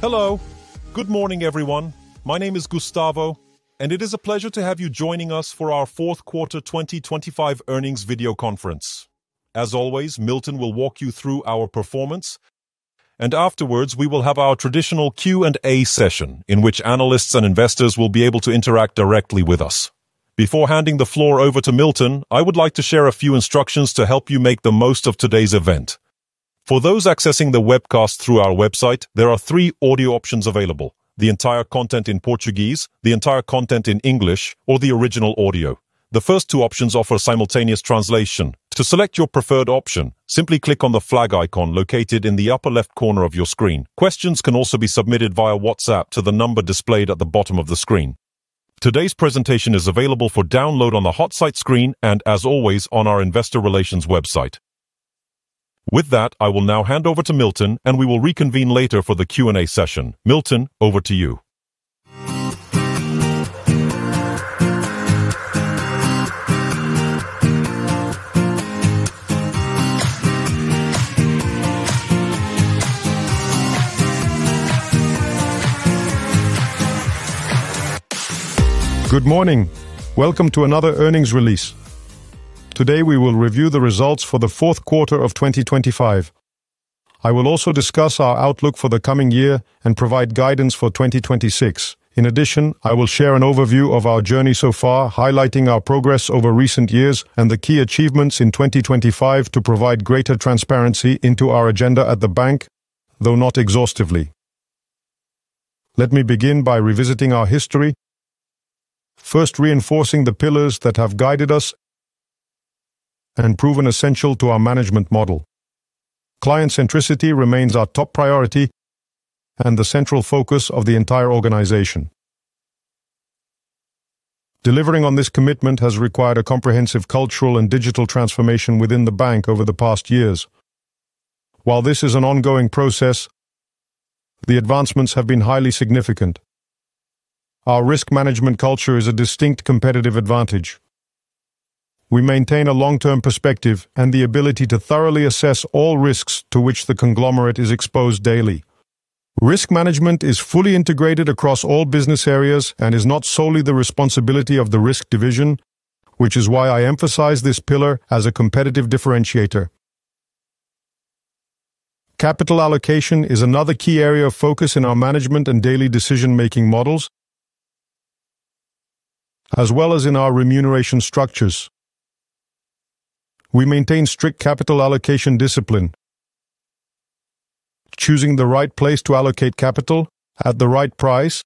Hello! Good morning, everyone. My name is Gustavo, and it is a pleasure to have you joining us for our fourth quarter 2025 earnings video conference. As always, Milton will walk you through our performance, and afterwards, we will have our traditional Q&A session, in which analysts and investors will be able to interact directly with us. Before handing the floor over to Milton, I would like to share a few instructions to help you make the most of today's event. For those accessing the webcast through our website, there are three audio options available: the entire content in Portuguese, the entire content in English, or the original audio. The first two options offer simultaneous translation. To select your preferred option, simply click on the flag icon located in the upper left corner of your screen. Questions can also be submitted via WhatsApp to the number displayed at the bottom of the screen. Today's presentation is available for download on the hotsite screen and, as always, on our investor relations website. With that, I will now hand over to Milton, and we will reconvene later for the Q&A session. Milton, over to you. Good morning. Welcome to another earnings release. Today, we will review the results for the fourth quarter of 2025. I will also discuss our outlook for the coming year and provide guidance for 2026. In addition, I will share an overview of our journey so far, highlighting our progress over recent years and the key achievements in 2025 to provide greater transparency into our agenda at the bank, though not exhaustively. Let me begin by revisiting our history, first reinforcing the pillars that have guided us and proven essential to our management model. Client centricity remains our top priority and the central focus of the entire organization. Delivering on this commitment has required a comprehensive cultural and digital transformation within the bank over the past years. While this is an ongoing process, the advancements have been highly significant. Our risk management culture is a distinct competitive advantage. We maintain a long-term perspective and the ability to thoroughly assess all risks to which the conglomerate is exposed daily. Risk management is fully integrated across all business areas and is not solely the responsibility of the risk division, which is why I emphasize this pillar as a competitive differentiator. Capital allocation is another key area of focus in our management and daily decision-making models, as well as in our remuneration structures. We maintain strict capital allocation discipline, choosing the right place to allocate capital at the right price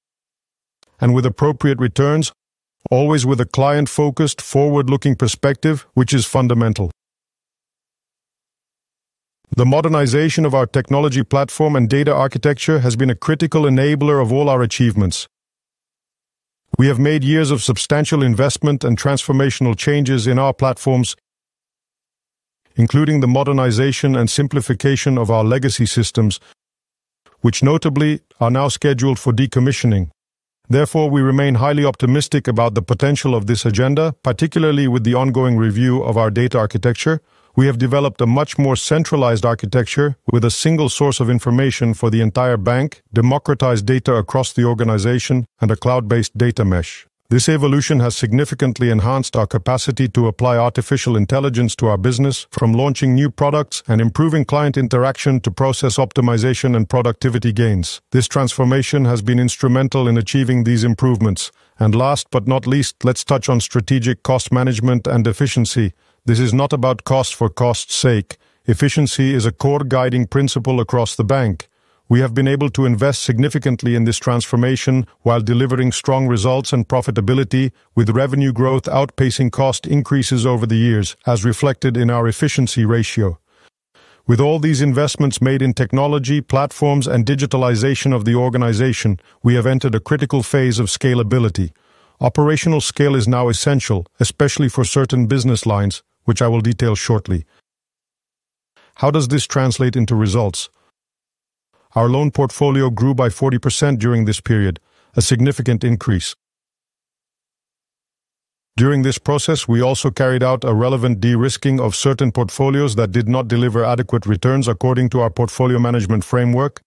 and with appropriate returns, always with a client-focused, forward-looking perspective, which is fundamental. The modernization of our technology platform and data architecture has been a critical enabler of all our achievements. We have made years of substantial investment and transformational changes in our platforms, including the modernization and simplification of our legacy systems, which notably are now scheduled for decommissioning. Therefore, we remain highly optimistic about the potential of this agenda, particularly with the ongoing review of our data architecture. We have developed a much more centralized architecture with a single source of information for the entire bank, democratized data across the organization, and a cloud-based data mesh. This evolution has significantly enhanced our capacity to apply artificial intelligence to our business, from launching new products and improving client interaction to process optimization and productivity gains. This transformation has been instrumental in achieving these improvements. And last but not least, let's touch on strategic cost management and efficiency. This is not about cost for cost's sake. Efficiency is a core guiding principle across the bank. We have been able to invest significantly in this transformation while delivering strong results and profitability, with revenue growth outpacing cost increases over the years, as reflected in our efficiency ratio. With all these investments made in technology, platforms, and digitalization of the organization, we have entered a critical phase of scalability. Operational scale is now essential, especially for certain business lines, which I will detail shortly. How does this translate into results? Our loan portfolio grew by 40% during this period, a significant increase. During this process, we also carried out a relevant de-risking of certain portfolios that did not deliver adequate returns according to our portfolio management framework,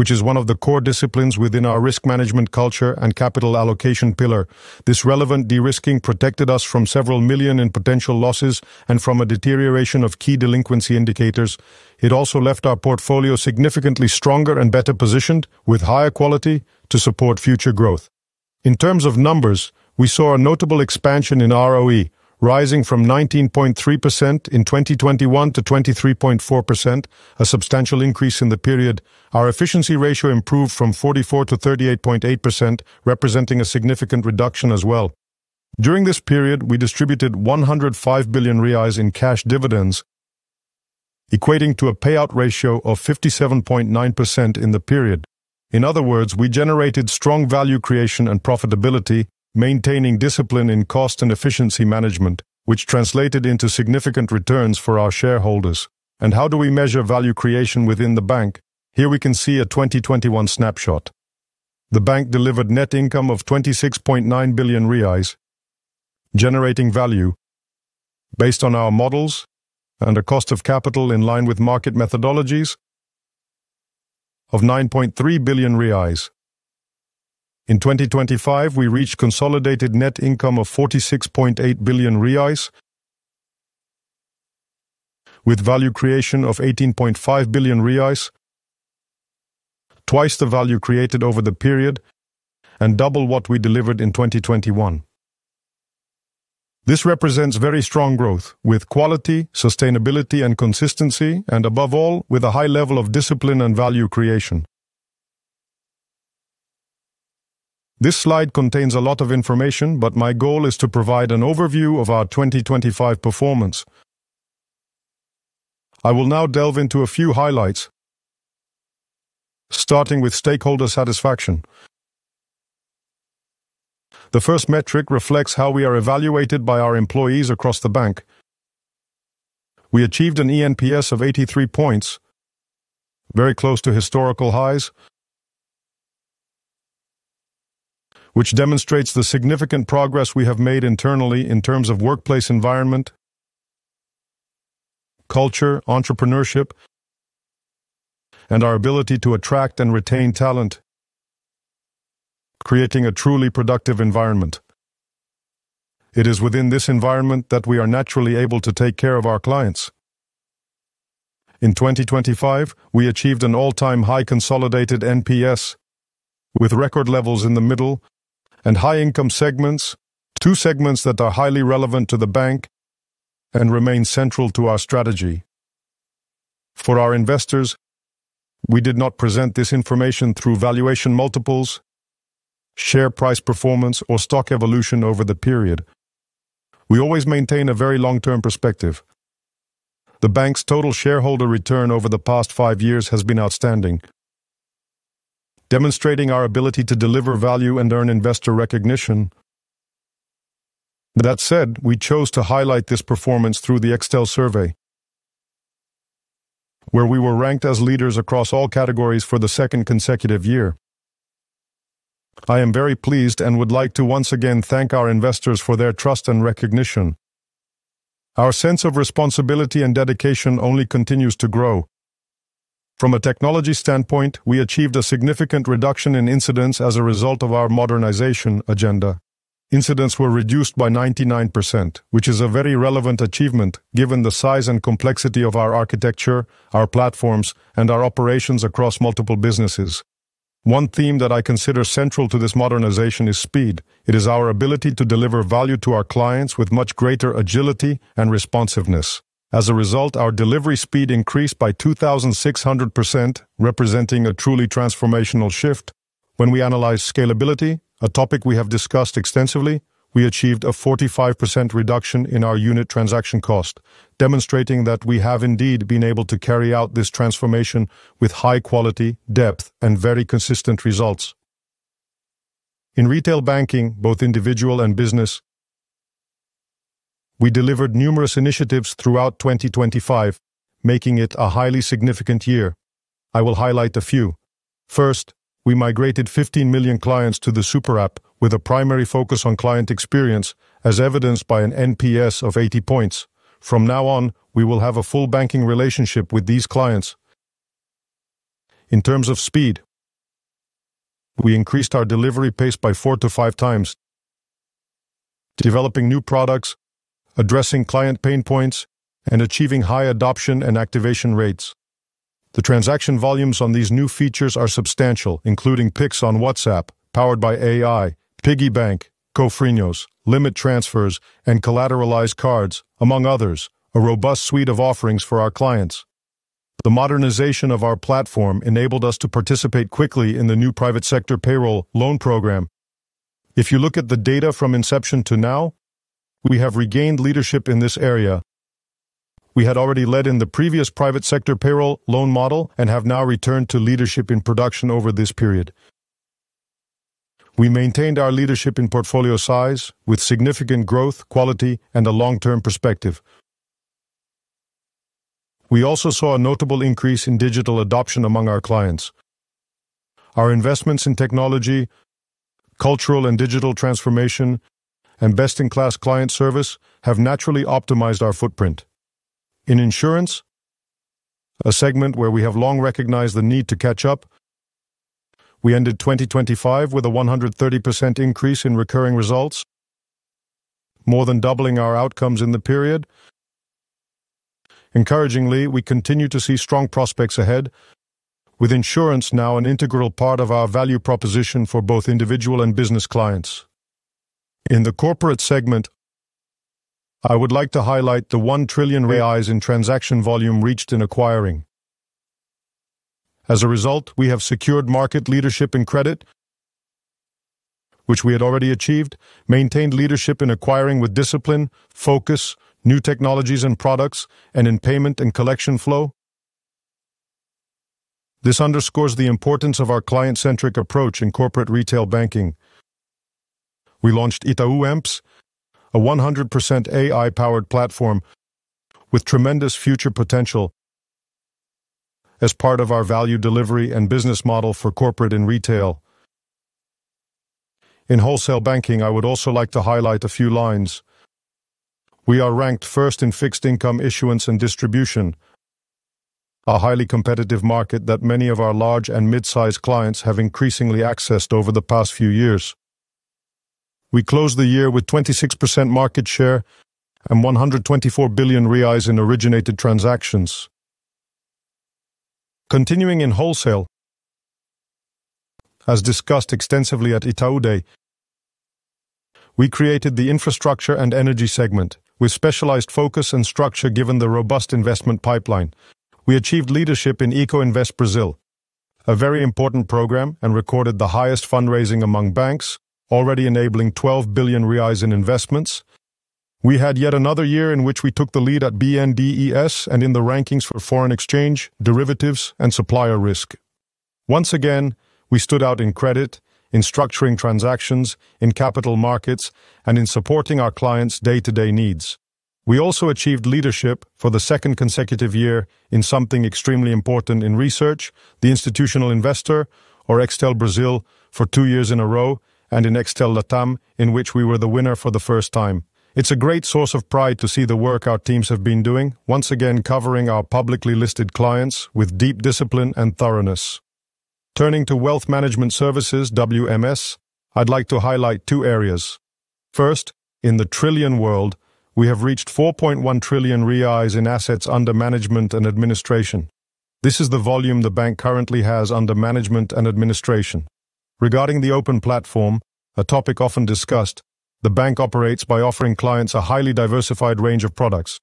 which is one of the core disciplines within our risk management culture and capital allocation pillar. This relevant de-risking protected us from several million in potential losses and from a deterioration of key delinquency indicators. It also left our portfolio significantly stronger and better positioned, with higher quality to support future growth. In terms of numbers, we saw a notable expansion in ROE, rising from 19.3% in 2021 to 23.4%, a substantial increase in the period. Our efficiency ratio improved from 44 to 38.8%, representing a significant reduction as well. During this period, we distributed 105 billion reais in cash dividends, equating to a payout ratio of 57.9% in the period. In other words, we generated strong value creation and profitability, maintaining discipline in cost and efficiency management, which translated into significant returns for our shareholders. And how do we measure value creation within the bank? Here we can see a 2021 snapshot. The bank delivered net income of 26.9 billion reais, generating value. Based on our models and a cost of capital in line with market methodologies of 9.3 billion reais. In 2025, we reached consolidated net income of 46.8 billion reais, with value creation of 18.5 billion reais, twice the value created over the period and double what we delivered in 2021. This represents very strong growth, with quality, sustainability, and consistency, and above all, with a high level of discipline and value creation. This slide contains a lot of information, but my goal is to provide an overview of our 2025 performance. I will now delve into a few highlights, starting with stakeholder satisfaction. The first metric reflects how we are evaluated by our employees across the bank. We achieved an eNPS of 83 points, very close to historical highs, which demonstrates the significant progress we have made internally in terms of workplace environment, culture, entrepreneurship, and our ability to attract and retain talent, creating a truly productive environment. It is within this environment that we are naturally able to take care of our clients. In 2025, we achieved an all-time high consolidated NPS, with record levels in the middle and high-income segments, two segments that are highly relevant to the bank and remain central to our strategy. For our investors, we did not present this information through valuation multiples, share price performance, or stock evolution over the period. We always maintain a very long-term perspective. The bank's total shareholder return over the past five years has been outstanding, demonstrating our ability to deliver value and earn investor recognition. That said, we chose to highlight this performance through the Extel Survey, where we were ranked as leaders across all categories for the second consecutive year. I am very pleased and would like to once again thank our investors for their trust and recognition. Our sense of responsibility and dedication only continues to grow. From a technology standpoint, we achieved a significant reduction in incidents as a result of our modernization agenda. Incidents were reduced by 99%, which is a very relevant achievement given the size and complexity of our architecture, our platforms, and our operations across multiple businesses. One theme that I consider central to this modernization is speed. It is our ability to deliver value to our clients with much greater agility and responsiveness. As a result, our delivery speed increased by 2,600%, representing a truly transformational shift. When we analyze scalability, a topic we have discussed extensively, we achieved a 45% reduction in our unit transaction cost, demonstrating that we have indeed been able to carry out this transformation with high quality, depth, and very consistent results. In Retail banking, both individual and business, we delivered numerous initiatives throughout 2025, making it a highly significant year. I will highlight a few. First, we migrated 15 million clients to the Super App, with a primary focus on client experience, as evidenced by an NPS of 80 points. From now on, we will have a full banking relationship with these clients. In terms of speed, we increased our delivery pace by 4x-5x, developing new products, addressing client pain points, and achieving high adoption and activation rates. The transaction volumes on these new features are substantial, including Pix on WhatsApp, powered by AI, Piggy Bank, Cofrinhos, limit transfers, and collateralized cards, among others, a robust suite of offerings for our clients. The modernization of our platform enabled us to participate quickly in the new private sector payroll loan program. If you look at the data from inception to now, we have regained leadership in this area. We had already led in the previous private sector payroll loan model and have now returned to leadership in production over this period. We maintained our leadership in portfolio size with significant growth, quality, and a long-term perspective. We also saw a notable increase in digital adoption among our clients. Our investments in technology, cultural and digital transformation, and best-in-class client service have naturally optimized our footprint. In insurance, a segment where we have long recognized the need to catch up, we ended 2025 with a 130% increase in recurring results, more than doubling our outcomes in the period. Encouragingly, we continue to see strong prospects ahead, with insurance now an integral part of our value proposition for both individual and business clients. In the corporate segment, I would like to highlight the 1 trillion reais in transaction volume reached in acquiring. As a result, we have secured market leadership in credit, which we had already achieved, maintained leadership in acquiring with discipline, focus, new technologies and products, and in payment and collection flow. This underscores the importance of our client-centric approach in corporate Retail banking. We launched Itaú Emps, a 100% AI-powered platform with tremendous future potential as part of our value delivery and business model for corporate and Retail. In Wholesale Banking, I would also like to highlight a few lines. We are ranked first in fixed income issuance and distribution, a highly competitive market that many of our large and mid-size clients have increasingly accessed over the past few years. We closed the year with 26% market share and 124 billion reais in originated transactions. Continuing in Wholesale, as discussed extensively at Itaú Day, we created the infrastructure and energy segment with specialized focus and structure, given the robust investment pipeline. We achieved leadership in Eco Invest Brasil, a very important program, and recorded the highest fundraising among banks, already enabling 12 billion reais in investments. We had yet another year in which we took the lead at BNDES and in the rankings for foreign exchange, derivatives, and supplier risk. Once again, we stood out in credit, in structuring transactions, in capital markets, and in supporting our clients' day-to-day needs. We also achieved leadership for the second consecutive year in something extremely important in research, the Institutional Investor, or Extel Brazil, for two years in a row, and in Extel Latam, in which we were the winner for the first time. It's a great source of pride to see the work our teams have been doing, once again, covering our publicly listed clients with deep discipline and thoroughness. Turning to Wealth Management Services, WMS, I'd like to highlight two areas. First, in the trillion world, we have reached 4.1 trillion in assets under management and administration. This is the volume the bank currently has under management and administration. Regarding the open platform, a topic often discussed, the bank operates by offering clients a highly diversified range of products.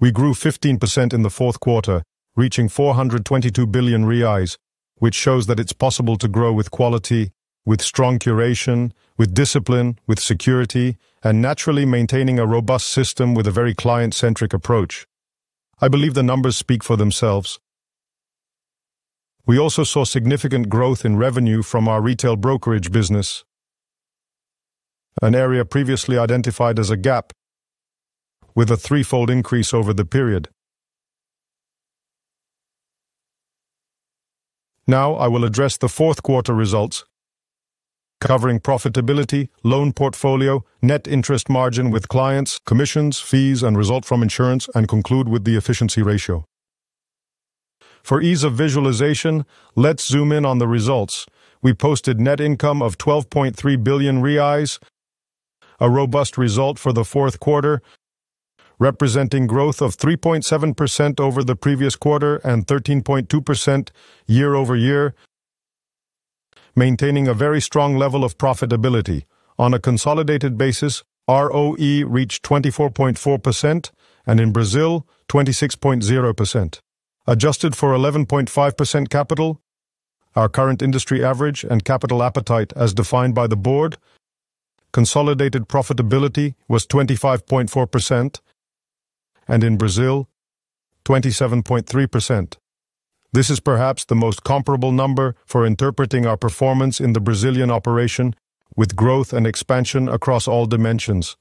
We grew 15% in the fourth quarter, reaching 422 billion reais, which shows that it's possible to grow with quality, with strong curation, with discipline, with security, and naturally maintaining a robust system with a very client-centric approach. I believe the numbers speak for themselves. We also saw significant growth in revenue from our Retail brokerage business, an area previously identified as a gap, with a threefold increase over the period. Now, I will address the fourth quarter results, covering profitability, loan portfolio, net interest margin with clients, commissions, fees, and result from insurance, and conclude with the efficiency ratio. For ease of visualization, let's zoom in on the results. We posted net income of 12.3 billion reais, a robust result for the fourth quarter, representing growth of 3.7% over the previous quarter and 13.2% year-over-year, maintaining a very strong level of profitability. On a consolidated basis, ROE reached 24.4%, and in Brazil, 26.0%. Adjusted for 11.5% capital, our current industry average and capital appetite, as defined by the board, consolidated profitability was 25.4%, and in Brazil, 27.3%. This is perhaps the most comparable number for interpreting our performance in the Brazilian operation, with growth and expansion across all dimensions.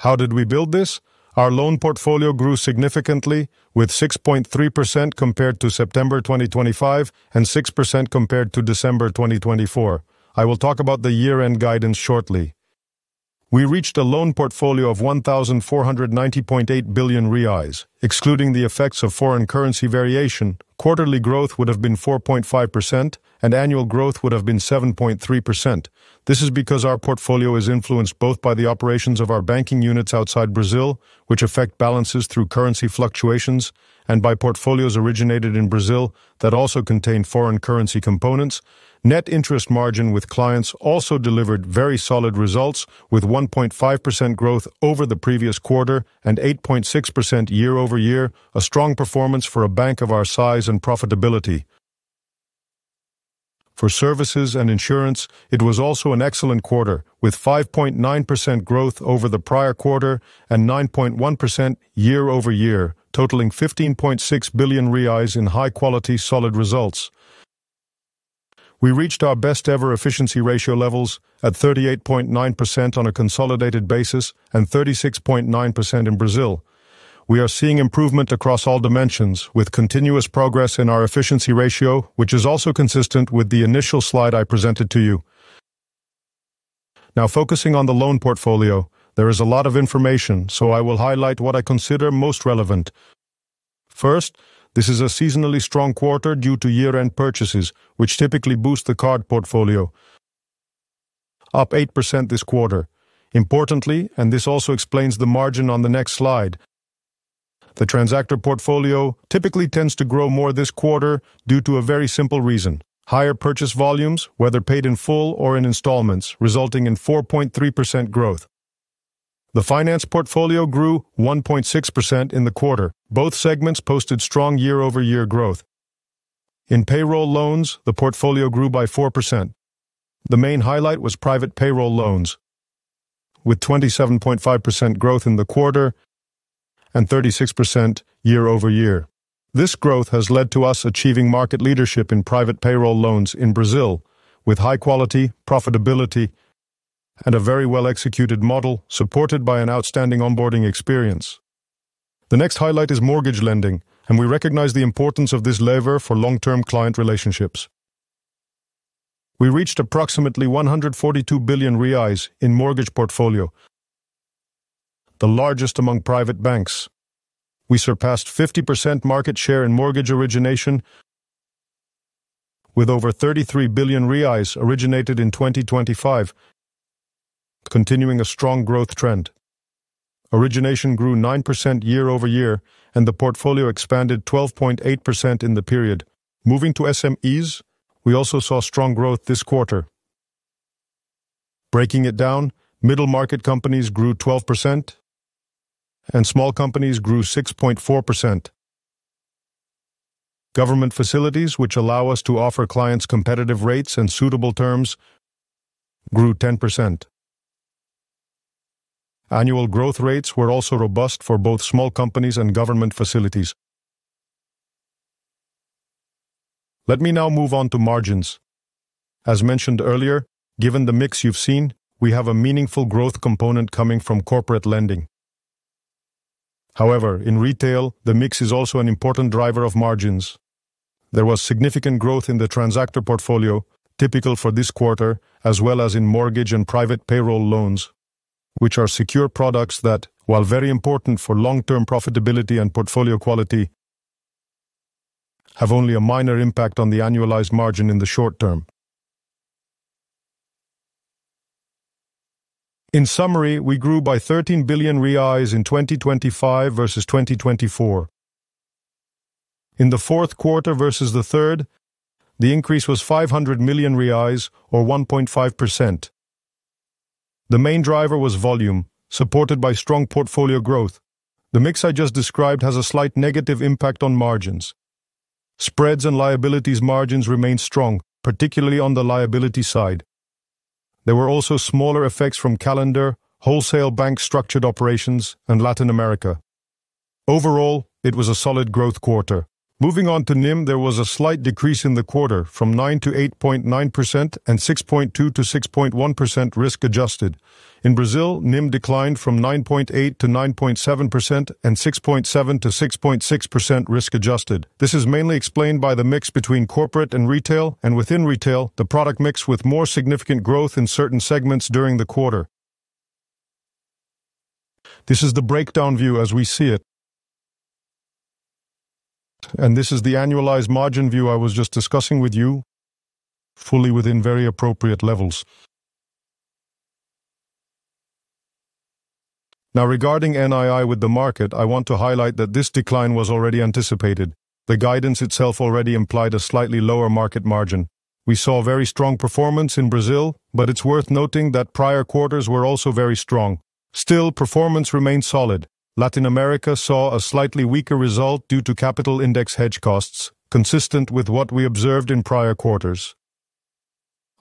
How did we build this? Our loan portfolio grew significantly, with 6.3% compared to September 2025 and 6% compared to December 2024. I will talk about the year-end guidance shortly. We reached a loan portfolio of 1,490.8 billion reais. Excluding the effects of foreign currency variation, quarterly growth would have been 4.5%, and annual growth would have been 7.3%. This is because our portfolio is influenced both by the operations of our banking units outside Brazil, which affect balances through currency fluctuations, and by portfolios originated in Brazil that also contain foreign currency components. Net interest margin with clients also delivered very solid results, with 1.5% growth over the previous quarter and 8.6% year-over-year, a strong performance for a bank of our size and profitability. For services and insurance, it was also an excellent quarter, with 5.9% growth over the prior quarter and 9.1% year-over-year, totaling 15.6 billion reais in high-quality, solid results. We reached our best-ever efficiency ratio levels at 38.9% on a consolidated basis and 36.9% in Brazil. We are seeing improvement across all dimensions, with continuous progress in our efficiency ratio, which is also consistent with the initial slide I presented to you. Now, focusing on the loan portfolio, there is a lot of information, so I will highlight what I consider most relevant. First, this is a seasonally strong quarter due to year-end purchases, which typically boost the card portfolio, up 8% this quarter. Importantly, and this also explains the margin on the next slide, the transactor portfolio typically tends to grow more this quarter due to a very simple reason: higher purchase volumes, whether paid in full or in installments, resulting in 4.3% growth. The finance portfolio grew 1.6% in the quarter. Both segments posted strong year-over-year growth. In payroll loans, the portfolio grew by 4%. The main highlight was private payroll loans, with 27.5% growth in the quarter and 36% year-over-year. This growth has led to us achieving market leadership in private payroll loans in Brazil, with high quality, profitability, and a very well-executed model, supported by an outstanding onboarding experience. The next highlight is mortgage lending, and we recognize the importance of this lever for long-term client relationships. We reached approximately 142 billion reais in mortgage portfolio, the largest among private banks. We surpassed 50% market share in mortgage origination, with over 33 billion reais originated in 2025, continuing a strong growth trend. Origination grew 9% year-over-year, and the portfolio expanded 12.8% in the period. Moving to SMEs, we also saw strong growth this quarter. Breaking it down, middle-market companies grew 12%, and small companies grew 6.4%. Government facilities, which allow us to offer clients competitive rates and suitable terms, grew 10%. Annual growth rates were also robust for both small companies and government facilities. Let me now move on to margins. As mentioned earlier, given the mix you've seen, we have a meaningful growth component coming from corporate lending. However, in Retail, the mix is also an important driver of margins. There was significant growth in the transactor portfolio, typical for this quarter, as well as in mortgage and private payroll loans, which are secure products that, while very important for long-term profitability and portfolio quality, have only a minor impact on the annualized margin in the short term. In summary, we grew by 13 billion reais in 2025 versus 2024. In the fourth quarter versus the third, the increase was 500 million reais, or 1.5%. The main driver was volume, supported by strong portfolio growth. The mix I just described has a slight negative impact on margins. Spreads and liabilities margins remained strong, particularly on the liability side. There were also smaller effects from calendar, Wholesale bank structured operations, and Latin America. Overall, it was a solid growth quarter. Moving on to NIM, there was a slight decrease in the quarter from 9%-8.9% and 6.2%-6.1% risk-adjusted. In Brazil, NIM declined from 9.8%-9.7% and 6.7%-6.6% risk-adjusted. This is mainly explained by the mix between corporate and Retail, and within Retail, the product mix with more significant growth in certain segments during the quarter. This is the breakdown view as we see it, and this is the annualized margin view I was just discussing with you, fully within very appropriate levels. Now, regarding NII with the market, I want to highlight that this decline was already anticipated. The guidance itself already implied a slightly lower market margin. We saw very strong performance in Brazil, but it's worth noting that prior quarters were also very strong. Still, performance remained solid. Latin America saw a slightly weaker result due to Capital Index Hedge costs, consistent with what we observed in prior quarters.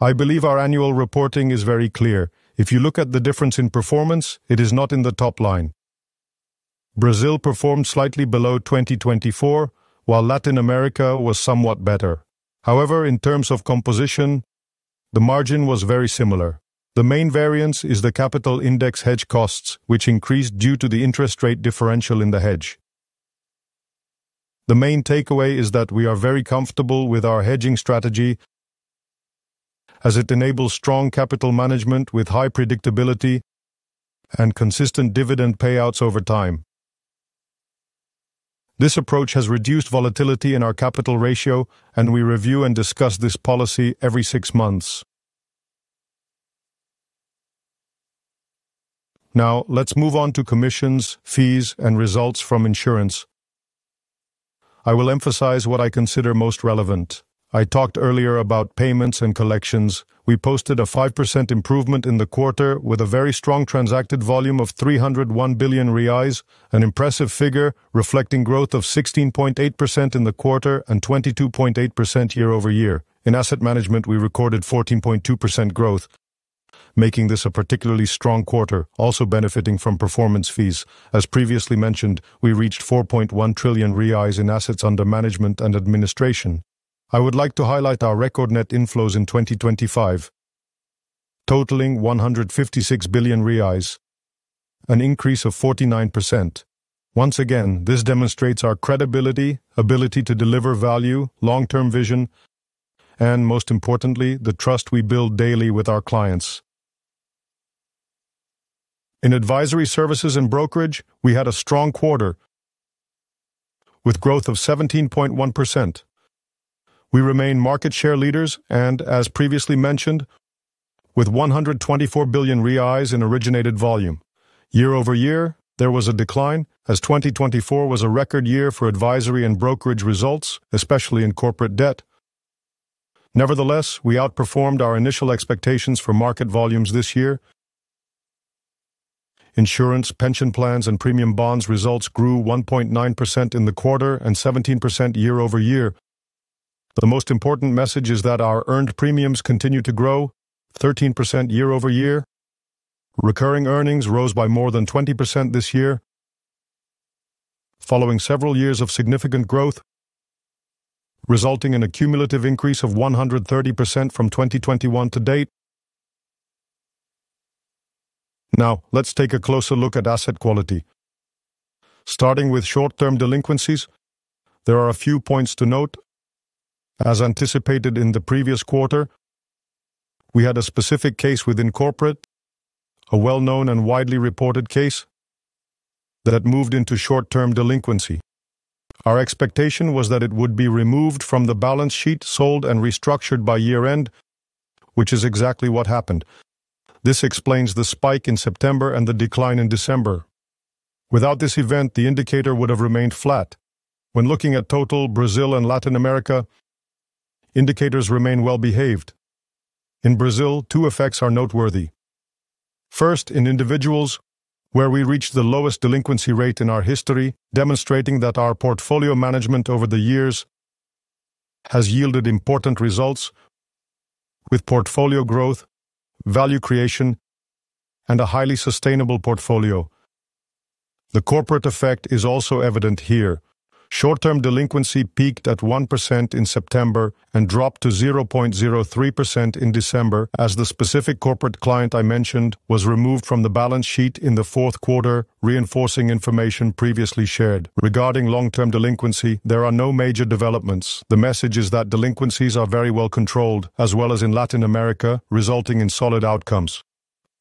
I believe our annual reporting is very clear. If you look at the difference in performance, it is not in the top line. Brazil performed slightly below 2024, while Latin America was somewhat better. However, in terms of composition, the margin was very similar. The main variance is the Capital Index Hedge costs, which increased due to the interest rate differential in the hedge. The main takeaway is that we are very comfortable with our hedging strategy, as it enables strong capital management with high predictability and consistent dividend payouts over time. This approach has reduced volatility in our capital ratio, and we review and discuss this policy every six months. Now, let's move on to commissions, fees, and results from insurance. I will emphasize what I consider most relevant. I talked earlier about payments and collections. We posted a 5% improvement in the quarter, with a very strong transacted volume of 301 billion reais, an impressive figure reflecting growth of 16.8% in the quarter and 22.8% year-over-year. In asset management, we recorded 14.2% growth, making this a particularly strong quarter, also benefiting from performance fees. As previously mentioned, we reached 4.1 trillion reais in assets under management and administration. I would like to highlight our record net inflows in 2025, totaling 156 billion reais, an increase of 49%. Once again, this demonstrates our credibility, ability to deliver value, long-term vision, and most importantly, the trust we build daily with our clients. In advisory services and brokerage, we had a strong quarter with growth of 17.1%. We remain market share leaders and as previously mentioned, with 124 billion reais in originated volume. Year-over-year, there was a decline, as 2024 was a record year for advisory and brokerage results, especially in corporate debt. Nevertheless, we outperformed our initial expectations for market volumes this year. Insurance, pension plans, and premium bonds results grew 1.9% in the quarter and 17% year-over-year. The most important message is that our earned premiums continue to grow 13% year-over-year. Recurring earnings rose by more than 20% this year, following several years of significant growth, resulting in a cumulative increase of 130% from 2021 to date. Now, let's take a closer look at asset quality. Starting with short-term delinquencies, there are a few points to note. As anticipated in the previous quarter, we had a specific case within corporate, a well-known and widely reported case, that moved into short-term delinquency. Our expectation was that it would be removed from the balance sheet, sold, and restructured by year-end, which is exactly what happened. This explains the spike in September and the decline in December. Without this event, the indicator would have remained flat. When looking at total Brazil and Latin America, indicators remain well-behaved. In Brazil, two effects are noteworthy. First, in individuals, where we reached the lowest delinquency rate in our history, demonstrating that our portfolio management over the years has yielded important results with portfolio growth, value creation, and a highly sustainable portfolio. The corporate effect is also evident here. Short-term delinquency peaked at 1% in September and dropped to 0.03% in December, as the specific corporate client I mentioned was removed from the balance sheet in the fourth quarter, reinforcing information previously shared. Regarding long-term delinquency, there are no major developments. The message is that delinquencies are very well controlled, as well as in Latin America, resulting in solid outcomes.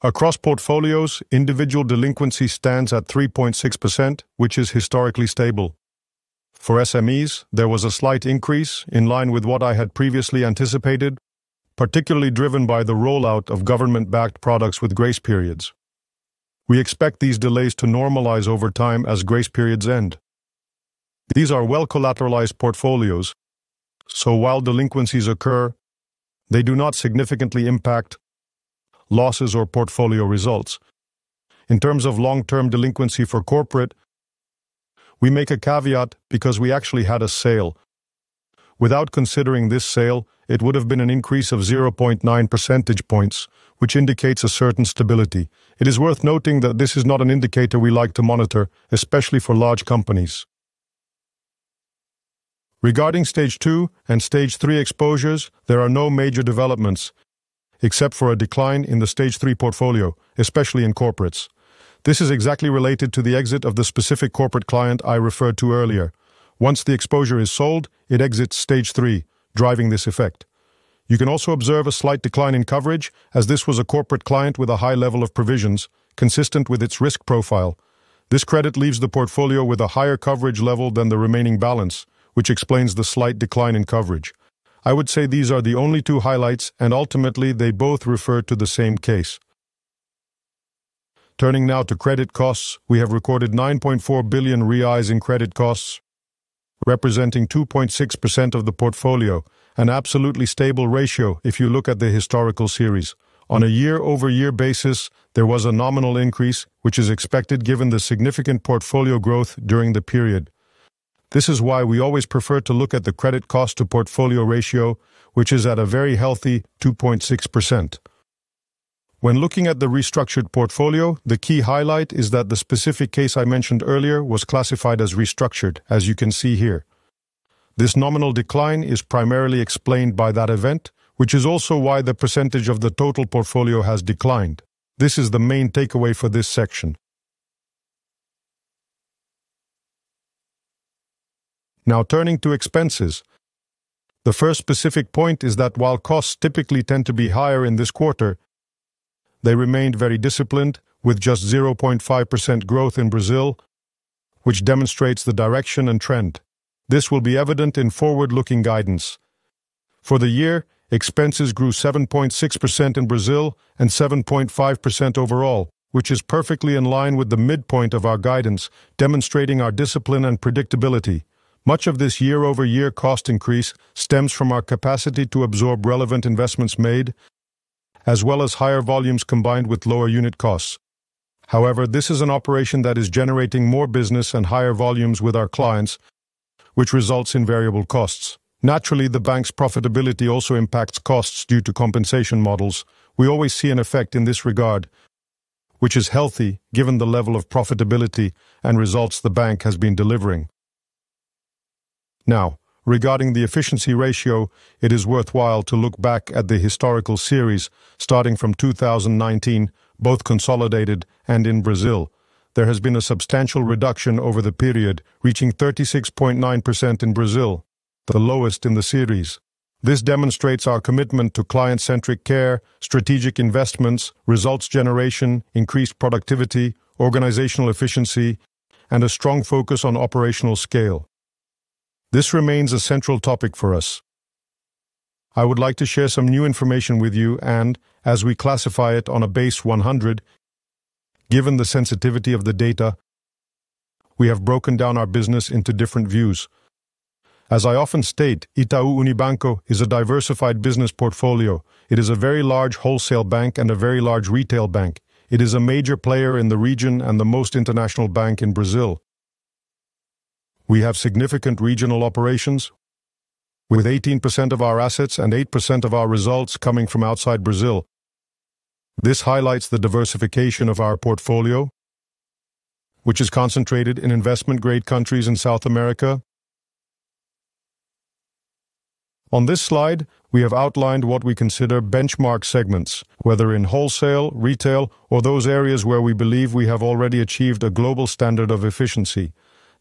Across portfolios, individual delinquency stands at 3.6%, which is historically stable. For SMEs, there was a slight increase in line with what I had previously anticipated, particularly driven by the rollout of government-backed products with grace periods. We expect these delays to normalize over time as grace periods end. These are well-collateralized portfolios, so while delinquencies occur, they do not significantly impact losses or portfolio results. In terms of long-term delinquency for corporate, we make a caveat because we actually had a sale. Without considering this sale, it would have been an increase of 0.9 percentage points, which indicates a certain stability. It is worth noting that this is not an indicator we like to monitor, especially for large companies. Regarding Stage Two and Stage Three exposures, there are no major developments, except for a decline in the Stage Three portfolio, especially in corporates. This is exactly related to the exit of the specific corporate client I referred to earlier. Once the exposure is sold, it exits Stage Three, driving this effect. You can also observe a slight decline in coverage, as this was a corporate client with a high level of provisions, consistent with its risk profile. This credit leaves the portfolio with a higher coverage level than the remaining balance, which explains the slight decline in coverage. I would say these are the only two highlights, and ultimately, they both refer to the same case. Turning now to credit costs, we have recorded 9.4 billion reais in credit costs, representing 2.6% of the portfolio, an absolutely stable ratio if you look at the historical series. On a year-over-year basis, there was a nominal increase, which is expected given the significant portfolio growth during the period. This is why we always prefer to look at the credit cost to portfolio ratio, which is at a very healthy 2.6%. When looking at the restructured portfolio, the key highlight is that the specific case I mentioned earlier was classified as restructured, as you can see here. This nominal decline is primarily explained by that event, which is also why the percentage of the total portfolio has declined. This is the main takeaway for this section. Now, turning to expenses, the first specific point is that while costs typically tend to be higher in this quarter, they remained very disciplined, with just 0.5% growth in Brazil, which demonstrates the direction and trend. This will be evident in forward-looking guidance. For the year, expenses grew 7.6% in Brazil and 7.5% overall, which is perfectly in line with the midpoint of our guidance, demonstrating our discipline and predictability. Much of this year-over-year cost increase stems from our capacity to absorb relevant investments made, as well as higher volumes combined with lower unit costs. However, this is an operation that is generating more business and higher volumes with our clients, which results in variable costs. Naturally, the bank's profitability also impacts costs due to compensation models. We always see an effect in this regard, which is healthy given the level of profitability and results the bank has been delivering. Now, regarding the efficiency ratio, it is worthwhile to look back at the historical series starting from 2019, both consolidated and in Brazil. There has been a substantial reduction over the period, reaching 36.9% in Brazil, the lowest in the series. This demonstrates our commitment to client-centric care, strategic investments, results generation, increased productivity, organizational efficiency, and a strong focus on operational scale. This remains a central topic for us. I would like to share some new information with you, and as we classify it on a base 100, given the sensitivity of the data, we have broken down our business into different views. As I often state, Itaú Unibanco is a diversified business portfolio. It is a very large Wholesale bank and a very large Retail bank. It is a major player in the region and the most international bank in Brazil. We have significant regional operations, with 18% of our assets and 8% of our results coming from outside Brazil. This highlights the diversification of our portfolio, which is concentrated in investment-grade countries in South America. On this slide, we have outlined what we consider benchmark segments, whether in Wholesale, Retail, or those areas where we believe we have already achieved a global standard of efficiency.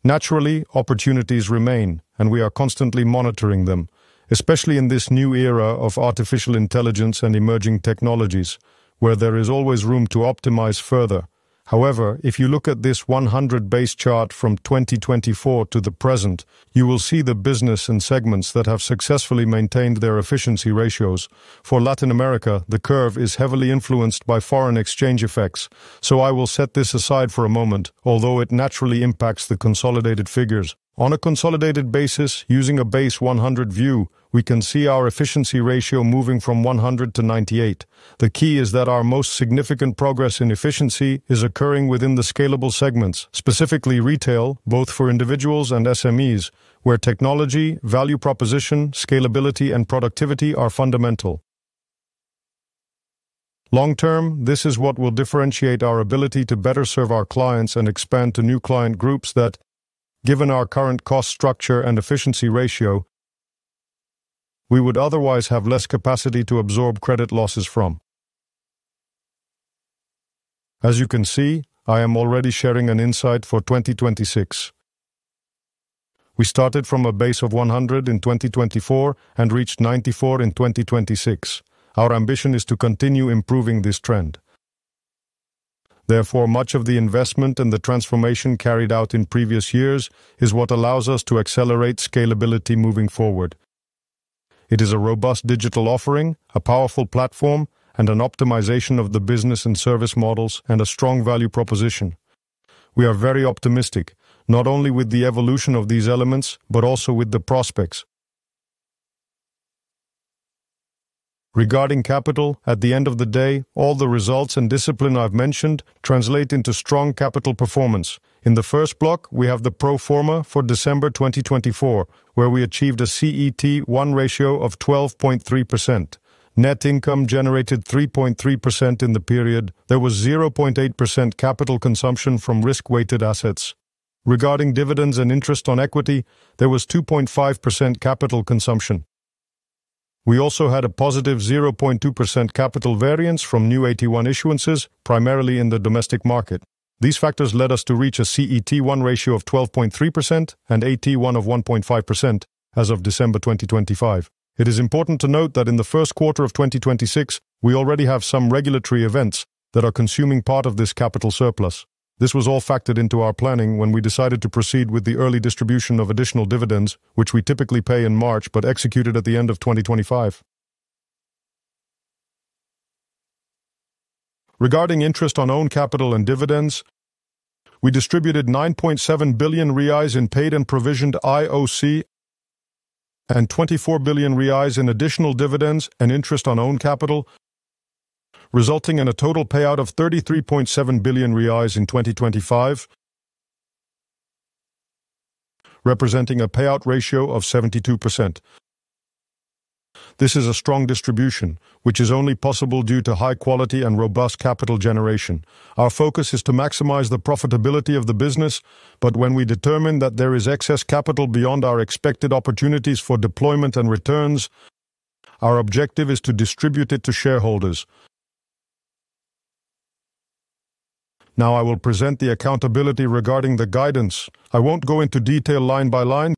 Naturally, opportunities remain, and we are constantly monitoring them, especially in this new era of artificial intelligence and emerging technologies, where there is always room to optimize further. However, if you look at this 100 base chart from 2024 to the present, you will see the business and segments that have successfully maintained their efficiency ratios. For Latin America, the curve is heavily influenced by foreign exchange effects, so I will set this aside for a moment, although it naturally impacts the consolidated figures. On a consolidated basis, using a base 100 view, we can see our efficiency ratio moving from 100-98. The key is that our most significant progress in efficiency is occurring within the scalable segments, specifically Retail, both for individuals and SMEs, where technology, value proposition, scalability, and productivity are fundamental. Long term, this is what will differentiate our ability to better serve our clients and expand to new client groups that, given our current cost structure and efficiency ratio, we would otherwise have less capacity to absorb credit losses from. As you can see, I am already sharing an insight for 2026. We started from a base of 100 in 2024 and reached 94 in 2026. Our ambition is to continue improving this trend. Therefore, much of the investment and the transformation carried out in previous years is what allows us to accelerate scalability moving forward. It is a robust digital offering, a powerful platform, and an optimization of the business and service models, and a strong value proposition. We are very optimistic, not only with the evolution of these elements, but also with the prospects. Regarding capital, at the end of the day, all the results and discipline I've mentioned translate into strong capital performance. In the first block, we have the pro forma for December 2024, where we achieved a CET1 ratio of 12.3%. Net income generated 3.3% in the period. There was 0.8% capital consumption from risk-weighted assets. Regarding dividends and interest on equity, there was 2.5% capital consumption. We also had a +0.2% capital variance from new AT1 issuances, primarily in the domestic market. These factors led us to reach a CET1 ratio of 12.3% and AT1 of 1.5% as of December 2025. It is important to note that in the first quarter of 2026, we already have some regulatory events that are consuming part of this capital surplus. This was all factored into our planning when we decided to proceed with the early distribution of additional dividends, which we typically pay in March, but executed at the end of 2025. Regarding interest on own capital and dividends, we distributed 9.7 billion reais in paid and provisioned IOC and 24 billion reais in additional dividends and interest on own capital, resulting in a total payout of BRL 33.7 billion in 2025, representing a payout ratio of 72%. This is a strong distribution, which is only possible due to high quality and robust capital generation. Our focus is to maximize the profitability of the business, but when we determine that there is excess capital beyond our expected opportunities for deployment and returns, our objective is to distribute it to shareholders. Now, I will present the accountability regarding the guidance. I won't go into detail line by line,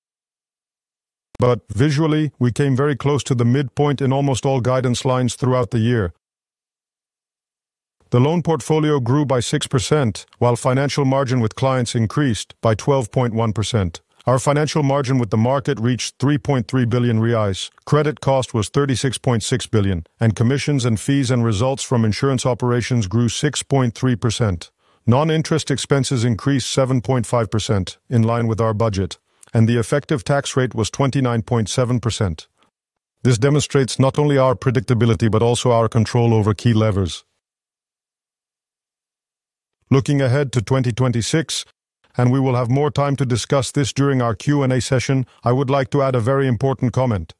but visually, we came very close to the midpoint in almost all guidance lines throughout the year. The loan portfolio grew by 6%, while financial margin with clients increased by 12.1%. Our financial margin with the market reached 3.3 billion reais. Credit cost was 36.6 billion, and commissions and fees and results from insurance operations grew 6.3%. Non-interest expenses increased 7.5% in line with our budget, and the effective tax rate was 29.7%. This demonstrates not only our predictability, but also our control over key levers. Looking ahead to 2026, and we will have more time to discuss this during our Q&A session, I would like to add a very important comment.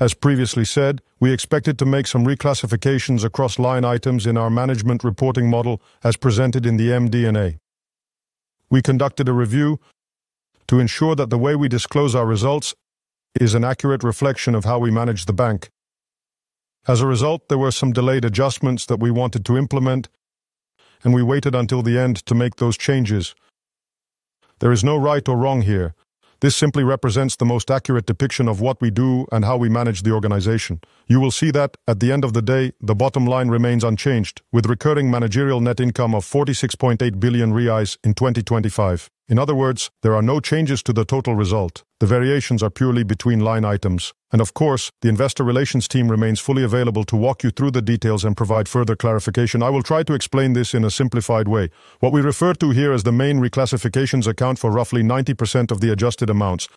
As previously said, we expected to make some reclassifications across line items in our management reporting model as presented in the MD&A. We conducted a review to ensure that the way we disclose our results is an accurate reflection of how we manage the bank. As a result, there were some delayed adjustments that we wanted to implement, and we waited until the end to make those changes. There is no right or wrong here. This simply represents the most accurate depiction of what we do and how we manage the organization. You will see that at the end of the day, the bottom line remains unchanged, with recurring managerial net income of 46.8 billion reais in 2025. In other words, there are no changes to the total result. The variations are purely between line items. And of course, the investor relations team remains fully available to walk you through the details and provide further clarification. I will try to explain this in a simplified way. What we refer to here as the main reclassifications account for roughly 90% of the adjusted amounts.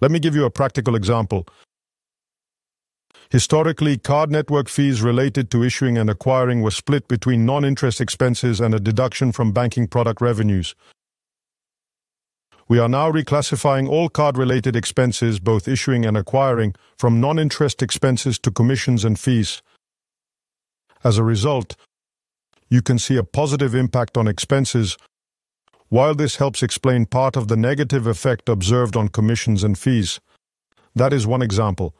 Let me give you a practical example. Historically, card network fees related to issuing and acquiring were split between non-interest expenses and a deduction from banking product revenues. We are now reclassifying all card-related expenses, both issuing and acquiring, from non-interest expenses to commissions and fees. As a result, you can see a positive impact on expenses. While this helps explain part of the negative effect observed on commissions and fees, that is one example.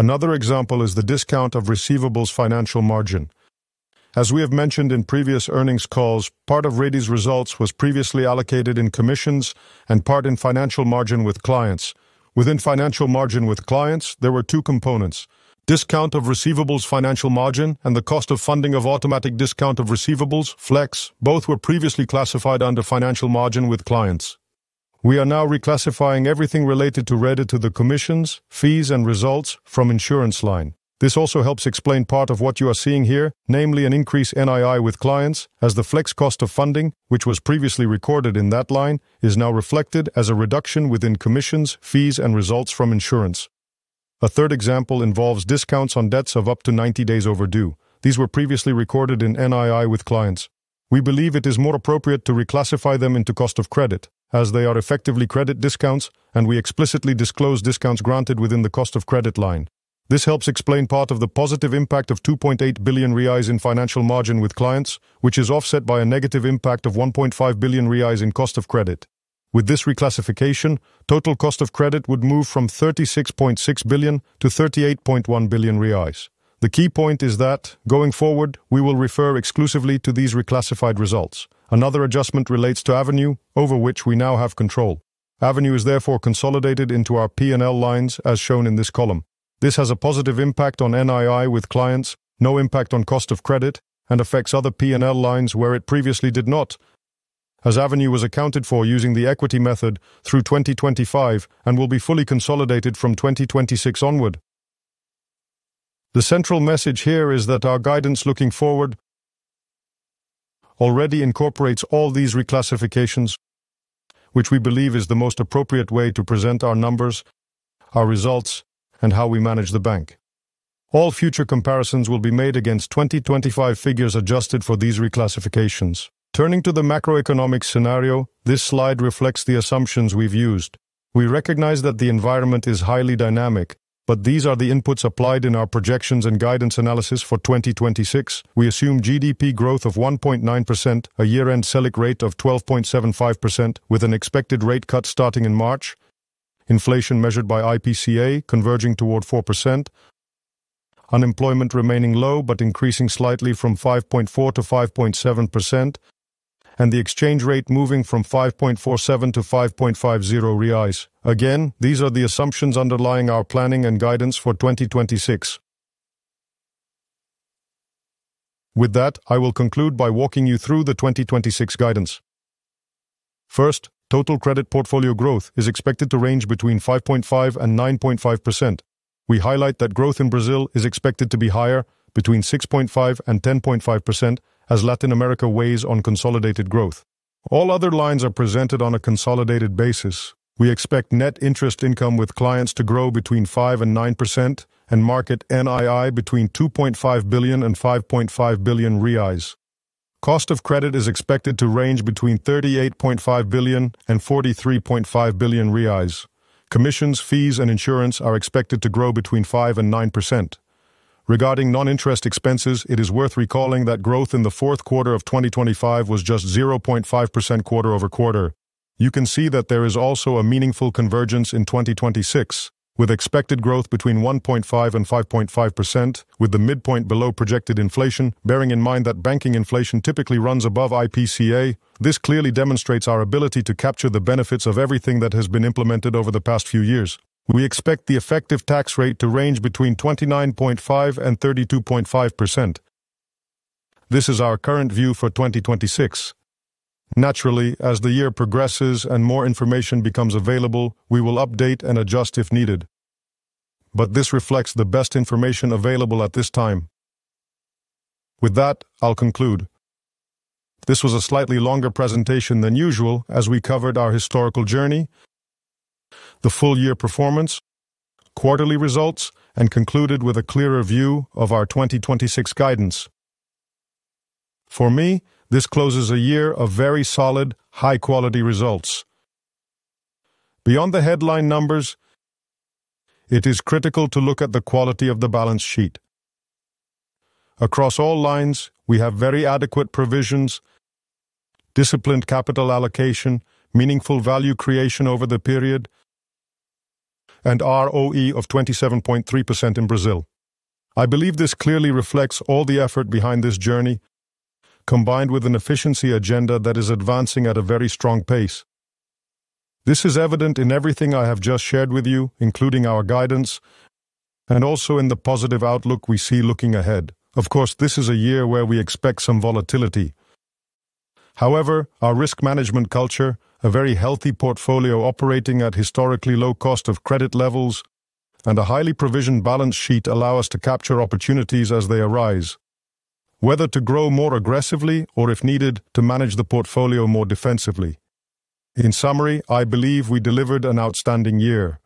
Another example is the discount of receivables financial margin. As we have mentioned in previous earnings calls, part of Rede's results was previously allocated in commissions and part in financial margin with clients. Within financial margin with clients, there were two components: discount of receivables financial margin, and the cost of funding of automatic discount of receivables, Flex. Both were previously classified under financial margin with clients. We are now reclassifying everything related to Rede to the commissions, fees, and results from insurance line. This also helps explain part of what you are seeing here, namely an increase NII with clients, as the Flex cost of funding, which was previously recorded in that line, is now reflected as a reduction within commissions, fees, and results from insurance. A third example involves discounts on debts of up to 90 days overdue. These were previously recorded in NII with clients. We believe it is more appropriate to reclassify them into cost of credit, as they are effectively credit discounts, and we explicitly disclose discounts granted within the cost of credit line. This helps explain part of the positive impact of 2.8 billion reais in financial margin with clients, which is offset by a negative impact of 1.5 billion reais in cost of credit. With this reclassification, total cost of credit would move from 36.6 billion to 38.1 billion reais. The key point is that going forward, we will refer exclusively to these reclassified results. Another adjustment relates to Avenue, over which we now have control. Avenue is therefore consolidated into our P&L lines, as shown in this column. This has a positive impact on NII with clients, no impact on cost of credit, and affects other P&L lines where it previously did not, as Avenue was accounted for using the equity method through 2025 and will be fully consolidated from 2026 onward. The central message here is that our guidance looking forward already incorporates all these reclassifications, which we believe is the most appropriate way to present our numbers, our results, and how we manage the bank. All future comparisons will be made against 2025 figures adjusted for these reclassifications. Turning to the macroeconomic scenario, this slide reflects the assumptions we've used. We recognize that the environment is highly dynamic, but these are the inputs applied in our projections and guidance analysis for 2026. We assume GDP growth of 1.9%, a year-end Selic rate of 12.75%, with an expected rate cut starting in March. Inflation measured by IPCA converging toward 4%, unemployment remaining low but increasing slightly from 5.4%-5.7%, and the exchange rate moving from 5.47-5.50 reais. Again, these are the assumptions underlying our planning and guidance for 2026. With that, I will conclude by walking you through the 2026 guidance. First, total credit portfolio growth is expected to range between 5.5% and 9.5%. We highlight that growth in Brazil is expected to be higher between 6.5% and 10.5%, as Latin America weighs on consolidated growth. All other lines are presented on a consolidated basis. We expect net interest income with clients to grow between 5% and 9% and market NII between 2.5 billion and 5.5 billion reais. Cost of credit is expected to range between 38.5 billion and 43.5 billion reais. Commissions, fees, and insurance are expected to grow between 5% and 9%. Regarding non-interest expenses, it is worth recalling that growth in the fourth quarter of 2025 was just 0.5% quarter-over-quarter. You can see that there is also a meaningful convergence in 2026, with expected growth between 1.5% and 5.5%, with the midpoint below projected inflation. Bearing in mind that banking inflation typically runs above IPCA, this clearly demonstrates our ability to capture the benefits of everything that has been implemented over the past few years. We expect the effective tax rate to range between 29.5% and 32.5%. This is our current view for 2026. Naturally, as the year progresses and more information becomes available, we will update and adjust if needed, but this reflects the best information available at this time. With that, I'll conclude. This was a slightly longer presentation than usual as we covered our historical journey, the full year performance, quarterly results, and concluded with a clearer view of our 2026 guidance. For me, this closes a year of very solid, high-quality results. Beyond the headline numbers, it is critical to look at the quality of the balance sheet. Across all lines, we have very adequate provisions, disciplined capital allocation, meaningful value creation over the period, and ROE of 27.3% in Brazil. I believe this clearly reflects all the effort behind this journey, combined with an efficiency agenda that is advancing at a very strong pace. This is evident in everything I have just shared with you, including our guidance, and also in the positive outlook we see looking ahead. Of course, this is a year where we expect some volatility. However, our risk management culture, a very healthy portfolio operating at historically low cost of credit levels, and a highly provisioned balance sheet allow us to capture opportunities as they arise, whether to grow more aggressively or, if needed, to manage the portfolio more defensively. In summary, I believe we delivered an outstanding year.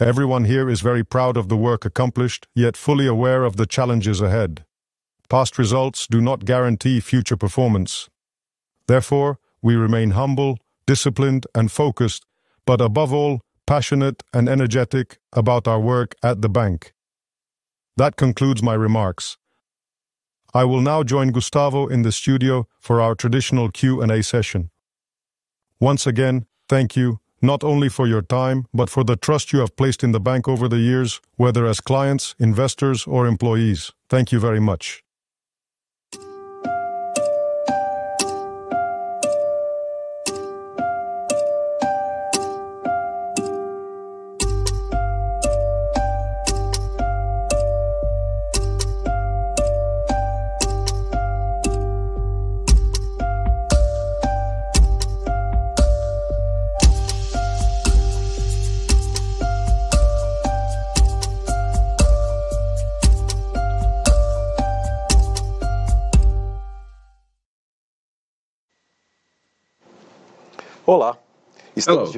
Everyone here is very proud of the work accomplished, yet fully aware of the challenges ahead. Past results do not guarantee future performance. Therefore, we remain humble, disciplined, and focused, but above all, passionate and energetic about our work at the bank. That concludes my remarks. I will now join Gustavo in the studio for our traditional Q&A session. Once again, thank you, not only for your time, but for the trust you have placed in the bank over the years, whether as clients, investors, or employees. Thank you very much. Hello.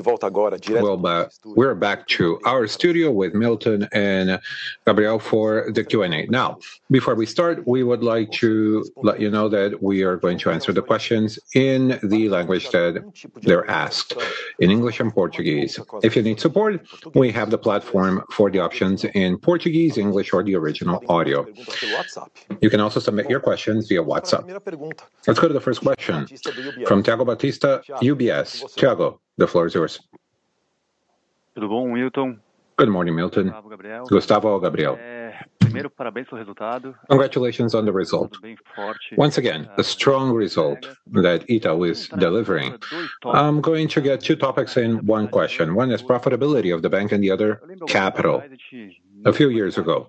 Well, we're back to our studio with Milton and Gabriel for the Q&A. Now, before we start, we would like to let you know that we are going to answer the questions in the language that they're asked, in English and Portuguese. If you need support, we have the platform for the options in Portuguese, English, or the original audio. You can also submit your questions via WhatsApp. Let's go to the first question from Thiago Batista, UBS. Thiago, the floor is yours. Good morning, Milton, Gustavo, Gabriel. Congratulations on the result. Once again, a strong result that Itaú is delivering. I'm going to get two topics in one question. One is profitability of the bank, and the other, capital. A few years ago,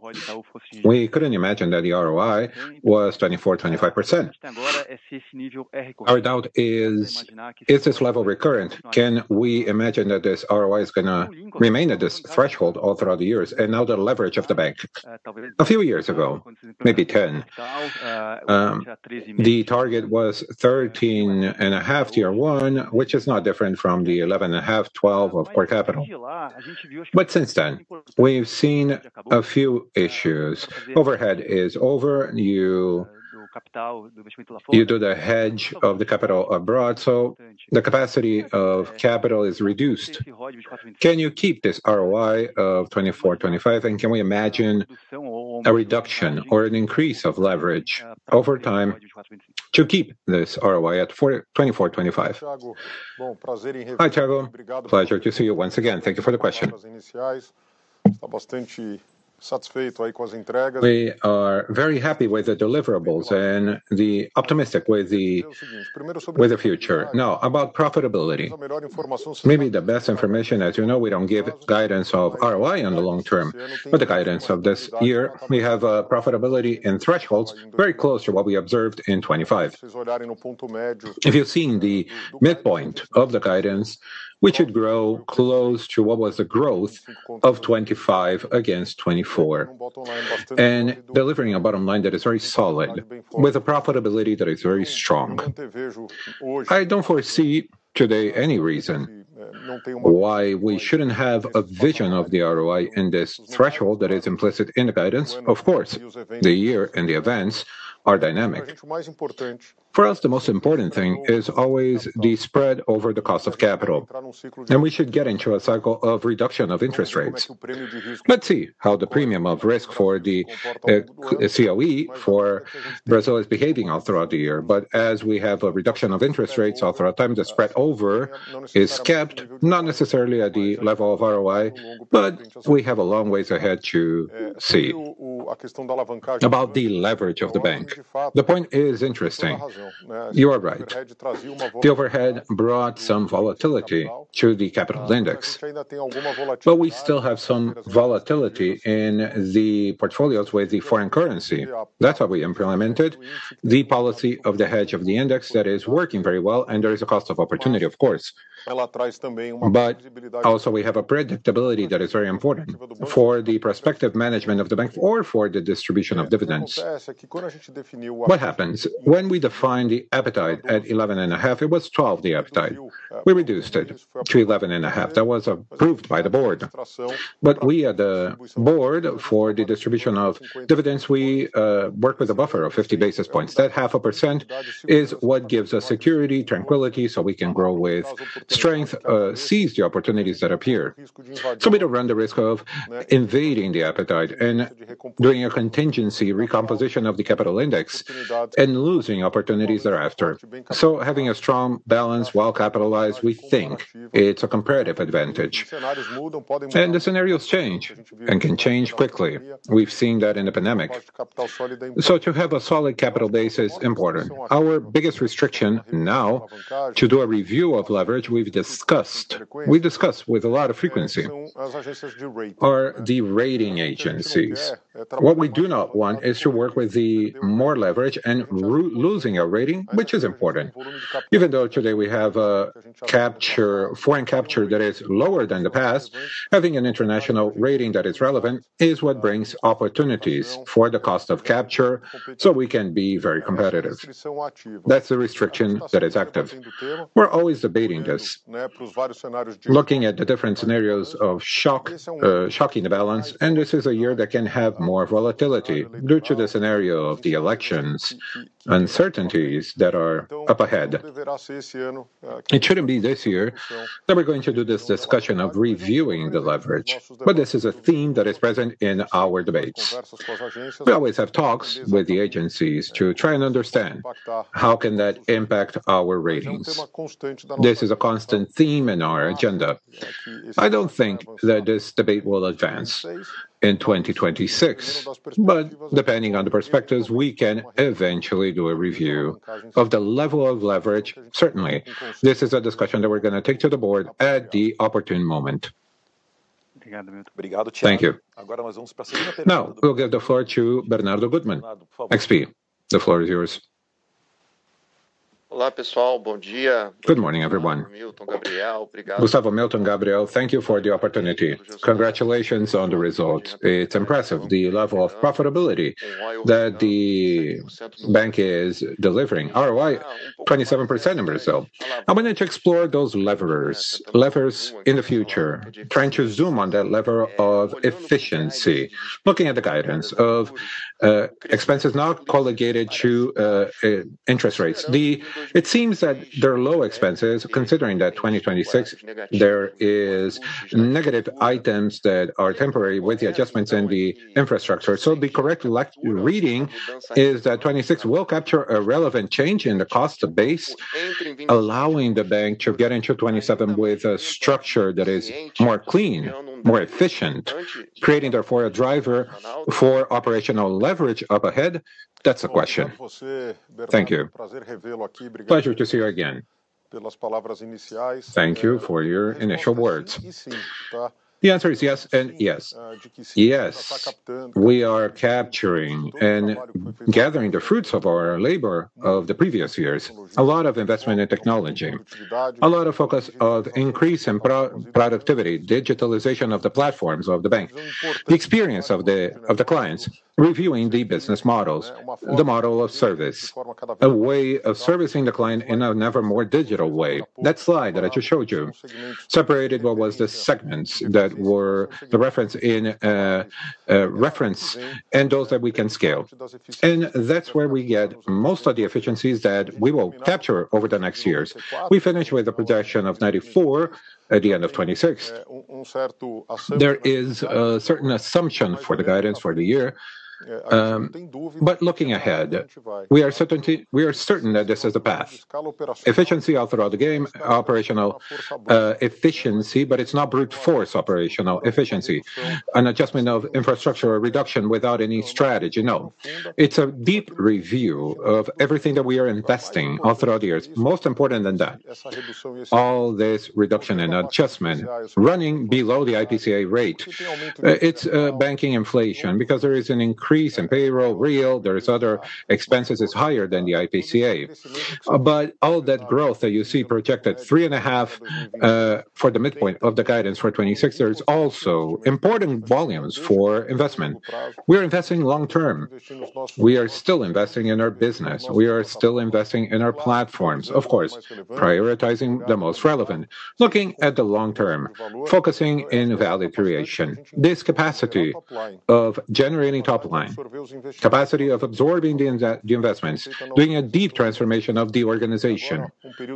we couldn't imagine that the ROI was 24%-25%. Our doubt is, is this level recurrent? Can we imagine that this ROI is gonna remain at this threshold all throughout the years, and now the leverage of the bank? A few years ago, maybe 10, the target was 13.5 Tier 1, which is not different from the 11.5, 12 of core capital. But since then, we've seen a few issues. Overhead is over. You, you do the hedge of the capital abroad, so the capacity of capital is reduced. Can you keep this ROI of 24%, 25%? And can we imagine a reduction or an increase of leverage over time to keep this ROI at 24%, 25%? Hi, Thiago. Pleasure to see you once again. Thank you for the question. We are very happy with the deliverables and optimistic with the future. Now, about profitability, maybe the best information, as you know, we don't give guidance of ROI on the long term, but the guidance of this year, we have profitability and thresholds very close to what we observed in 2025. If you've seen the midpoint of the guidance, we should grow close to what was the growth of 2025 against 2024, and delivering a bottom line that is very solid, with a profitability that is very strong. I don't foresee today any reason why we shouldn't have a vision of the ROI in this threshold that is implicit in the guidance. Of course, the year and the events are dynamic. For us, the most important thing is always the spread over the cost of capital, and we should get into a cycle of reduction of interest rates. Let's see how the premium of risk for the COE for Brazil is behaving all throughout the year. But as we have a reduction of interest rates all throughout time, the spread over is kept, not necessarily at the level of ROI, but we have a long ways ahead to see. About the leverage of the bank, the point is interesting. You are right. The overhead brought some volatility to the capital index, but we still have some volatility in the portfolios with the foreign currency. That's why we implemented the policy of the hedge of the index that is working very well, and there is a cost of opportunity, of course. But also, we have a predictability that is very important for the prospective management of the bank or for the distribution of dividends. What happens when we define the appetite at 11.5? It was 12, the appetite. We reduced it to 11.5. That was approved by the board. But we, at the board, for the distribution of dividends, we, work with a buffer of 50 basis points. That 0.5% is what gives us security, tranquility, so we can grow with strength, seize the opportunities that appear. So we don't run the risk of invading the appetite and doing a contingency recomposition of the capital index and losing opportunities thereafter. Having a strong balance sheet well capitalized, we think it's a comparative advantage, and the scenarios change and can change quickly. We've seen that in the pandemic. To have a solid capital base is important. Our biggest restriction now to do a review of leverage, we've discussed with a lot of frequency, are the rating agencies. What we do not want is to work with more leverage and risk losing a rating, which is important. Even though today we have capital, foreign capital that is lower than the past, having an international rating that is relevant is what brings opportunities for the cost of capital, so we can be very competitive. That's the restriction that is active. We're always debating this, looking at the different scenarios of shock, shock in the balance, and this is a year that can have more volatility due to the scenario of the elections, uncertainties that are up ahead. It shouldn't be this year that we're going to do this discussion of reviewing the leverage, but this is a theme that is present in our debates. We always have talks with the agencies to try and understand how can that impact our ratings. This is a constant theme in our agenda. I don't think that this debate will advance in 2026, but depending on the perspectives, we can eventually do a review of the level of leverage, certainly. This is a discussion that we're gonna take to the board at the opportune moment. Thank you. Now, we'll give the floor to Bernardo Guttmann, XP. The floor is yours. Good morning, everyone. Gustavo, Milton, Gabriel, thank you for the opportunity. Congratulations on the results. It's impressive, the level of profitability that the bank is delivering, ROI, 27% in Brazil. I wanted to explore those levers, levers in the future, trying to zoom on that lever of efficiency, looking at the guidance of, expenses not correlated to, interest rates. It seems that there are low expenses, considering that 2026, there is negative items that are temporary with the adjustments in the infrastructure. So the correct reading is that 2026 will capture a relevant change in the cost base, allowing the bank to get into 2027 with a structure that is more clean, more efficient, creating, therefore, a driver for operational leverage up ahead. That's the question. Thank you. Pleasure to see you again. Thank you for your initial words. The answer is yes and yes. Yes, we are capturing and gathering the fruits of our labor of the previous years. A lot of investment in technology, a lot of focus of increase in pro-productivity, digitalization of the platforms of the bank, the experience of the clients, reviewing the business models, the model of service, a way of servicing the client in a nevermore digital way. That slide that I just showed you, separated what was the segments that were the reference in reference, and those that we can scale. And that's where we get most of the efficiencies that we will capture over the next years. We finish with the production of 94 at the end of 2026. There is a certain assumption for the guidance for the year, but looking ahead, we are certain that this is the path. Efficiency all throughout the gamut, operational efficiency, but it's not brute force operational efficiency. An adjustment of infrastructure or reduction without any strategy, no. It's a deep review of everything that we are investing all throughout the years. More important than that, all this reduction and adjustment running below the IPCA rate. It's banking inflation because there is an increase in payroll real, there is other expenses is higher than the IPCA. But all that growth that you see projected 3.5 for the midpoint of the guidance for 2026, there is also important volumes for investment. We are investing long term. We are still investing in our business. We are still investing in our platforms, of course, prioritizing the most relevant, looking at the long term, focusing in value creation. This capacity of generating top line, capacity of absorbing the investments, doing a deep transformation of the organization.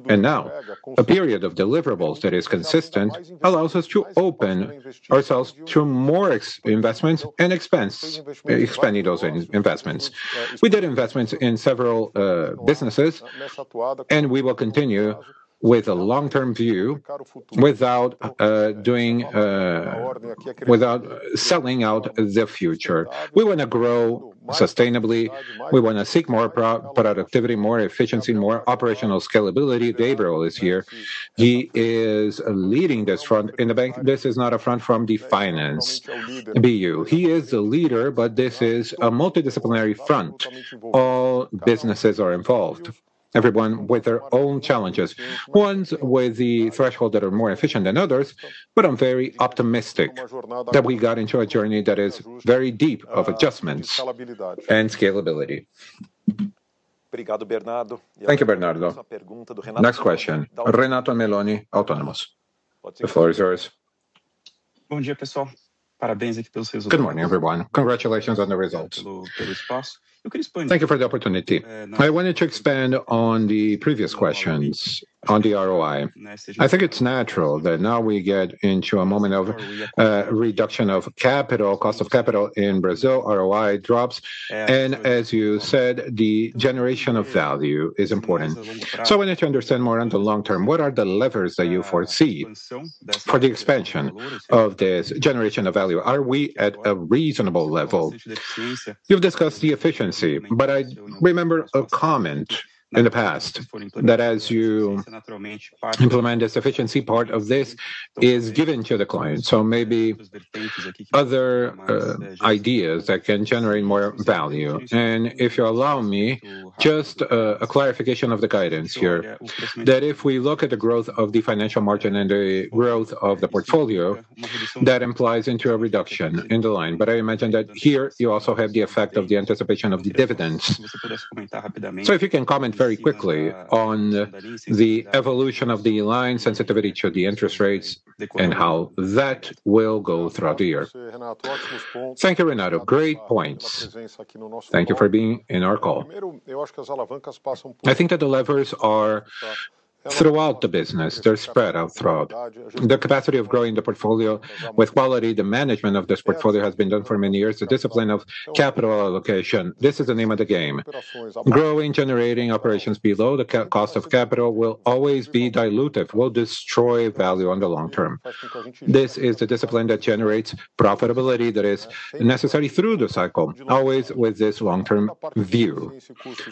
And now, a period of deliverables that is consistent allows us to open ourselves to more investments and expense, expanding those investments. We did investments in several businesses, and we will continue with a long-term view without doing, without selling out the future. We wanna grow sustainably, we wanna seek more pro-productivity, more efficiency, more operational scalability. Gabriel is here. He is leading this front in the bank. This is not a front from the finance BU. He is the leader, but this is a multidisciplinary front. All businesses are involved, everyone with their own challenges, ones with the threshold that are more efficient than others, but I'm very optimistic that we got into a journey that is very deep of adjustments and scalability. Thank you, Bernardo. Next question, Renato Meloni, Autonomous. The floor is yours. Good morning, everyone. Congratulations on the results. Thank you for the opportunity. I wanted to expand on the previous questions on the ROI. I think it's natural that now we get into a moment of reduction of capital, cost of capital in Brazil, ROI drops, and as you said, the generation of value is important. So I wanted to understand more on the long term, what are the levers that you foresee for the expansion of this generation of value? Are we at a reasonable level? You've discussed the efficiency, but I remember a comment in the past that as you implement this efficiency, part of this is given to the client, so maybe other ideas that can generate more value. And if you allow me, just, a clarification of the guidance here, that if we look at the growth of the financial margin and the growth of the portfolio, that implies into a reduction in the line. But I imagine that here, you also have the effect of the anticipation of the dividends. So if you can comment very quickly on the evolution of the line, sensitivity to the interest rates, and how that will go throughout the year. Thank you, Renato. Great points. Thank you for being in our call. I think that the levers are throughout the business, they're spread out throughout. The capacity of growing the portfolio with quality, the management of this portfolio has been done for many years, the discipline of capital allocation. This is the name of the game. Growing, generating operations below the cost of capital will always be dilutive, will destroy value on the long term. This is the discipline that generates profitability that is necessary through the cycle, always with this long-term view.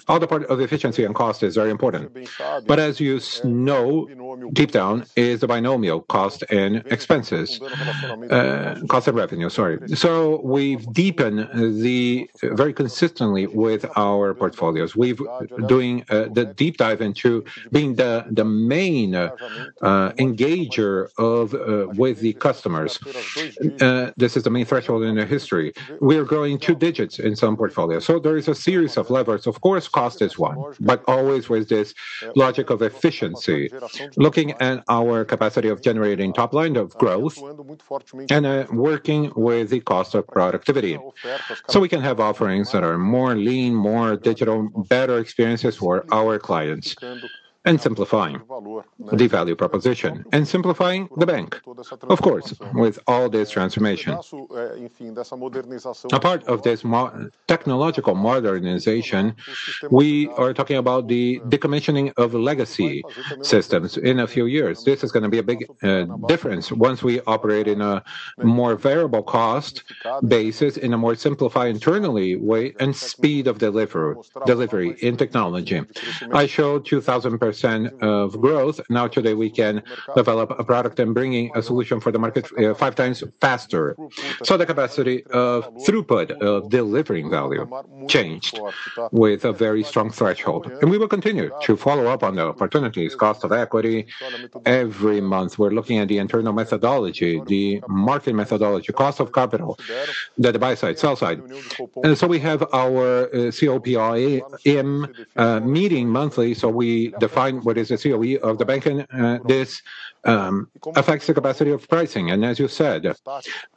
Other part of efficiency and cost is very important, but as you know, deep down is the binomial cost and expenses, cost of revenue, sorry. So we've deepened the, very consistently with our portfolios. We've doing the deep dive into being the main engager with the customers. This is the main threshold in the history. We are growing two digits in some portfolios. So there is a series of levers. Of course, cost is one, but always with this logic of efficiency, looking at our capacity of generating top line of growth and, working with the cost of productivity. So we can have offerings that are more lean, more digital, better experiences for our clients, and simplifying the value proposition, and simplifying the bank, of course, with all this transformation. A part of this technological modernization, we are talking about the decommissioning of legacy systems in a few years. This is gonna be a big difference once we operate in a more variable cost basis, in a more simplified internally way and speed of delivery in technology. I showed 2,000% of growth. Now, today, we can develop a product and bringing a solution for the market five times faster. So the capacity of throughput, of delivering value changed with a very strong threshold, and we will continue to follow up on the opportunities, cost of equity. Every month, we're looking at the internal methodology, the margin methodology, cost of capital, the buy side, sell side. And so we have our COPI in meeting monthly, so we define what is the COE of the banking, this affects the capacity of pricing. And as you said,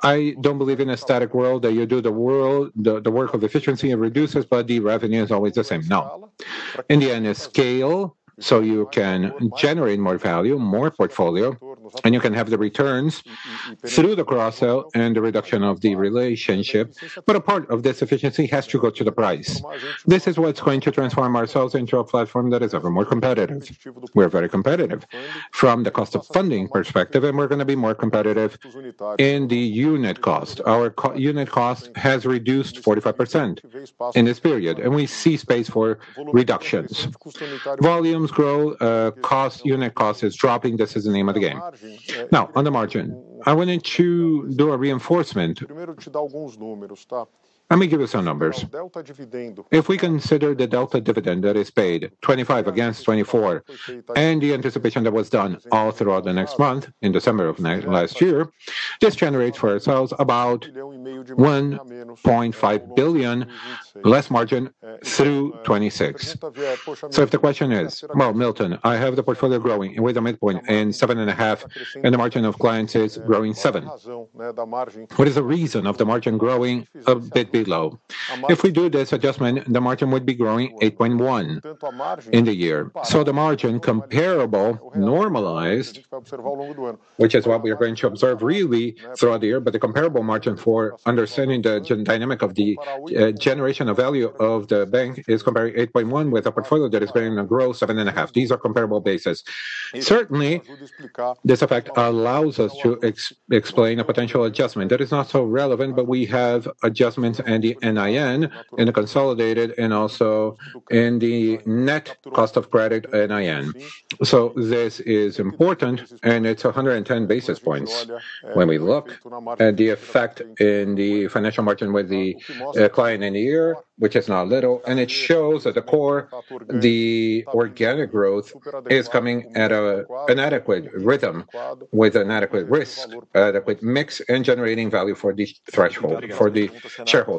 I don't believe in a static world, that you do the work of efficiency, it reduces, but the revenue is always the same. No. In the end, it's scale, so you can generate more value, more portfolio, and you can have the returns through the cross-sell and the reduction of the relationship, but a part of this efficiency has to go to the price. This is what's going to transform ourselves into a platform that is ever more competitive. We're very competitive from the cost of funding perspective, and we're gonna be more competitive in the unit cost. Our unit cost has reduced 45% in this period, and we see space for reductions. Volumes grow, cost, unit cost is dropping. This is the name of the game. Now, on the margin, I wanted to do a reinforcement. Let me give you some numbers. If we consider the delta dividend that is paid, 2025 against 2024, and the anticipation that was done all throughout the next month, in December of last year, this generates for ourselves about 1.5 billion less margin through 2026. So if the question is: Well, Milton, I have the portfolio growing with a midpoint of 7.5, and the margin of clients is growing 7%. What is the reason of the margin growing a bit below? If we do this adjustment, the margin would be growing 8.1 in the year. So the margin comparable normalized, which is what we are going to observe really throughout the year, but the comparable margin for understanding the dynamic of the generation of value of the bank is comparing 8.1 with a portfolio that is being grown 7.5. These are comparable bases. Certainly, this effect allows us to explain a potential adjustment that is not so relevant, but we have adjustments in the NIM, in the consolidated, and also in the net cost of credit, NIM. So this is important, and it's 110 basis points when we look at the effect in the financial margin with the client in the year, which is not little, and it shows at the core, the organic growth is coming at an adequate rhythm with an adequate risk, adequate mix, and generating value for the threshold, for the shareholder.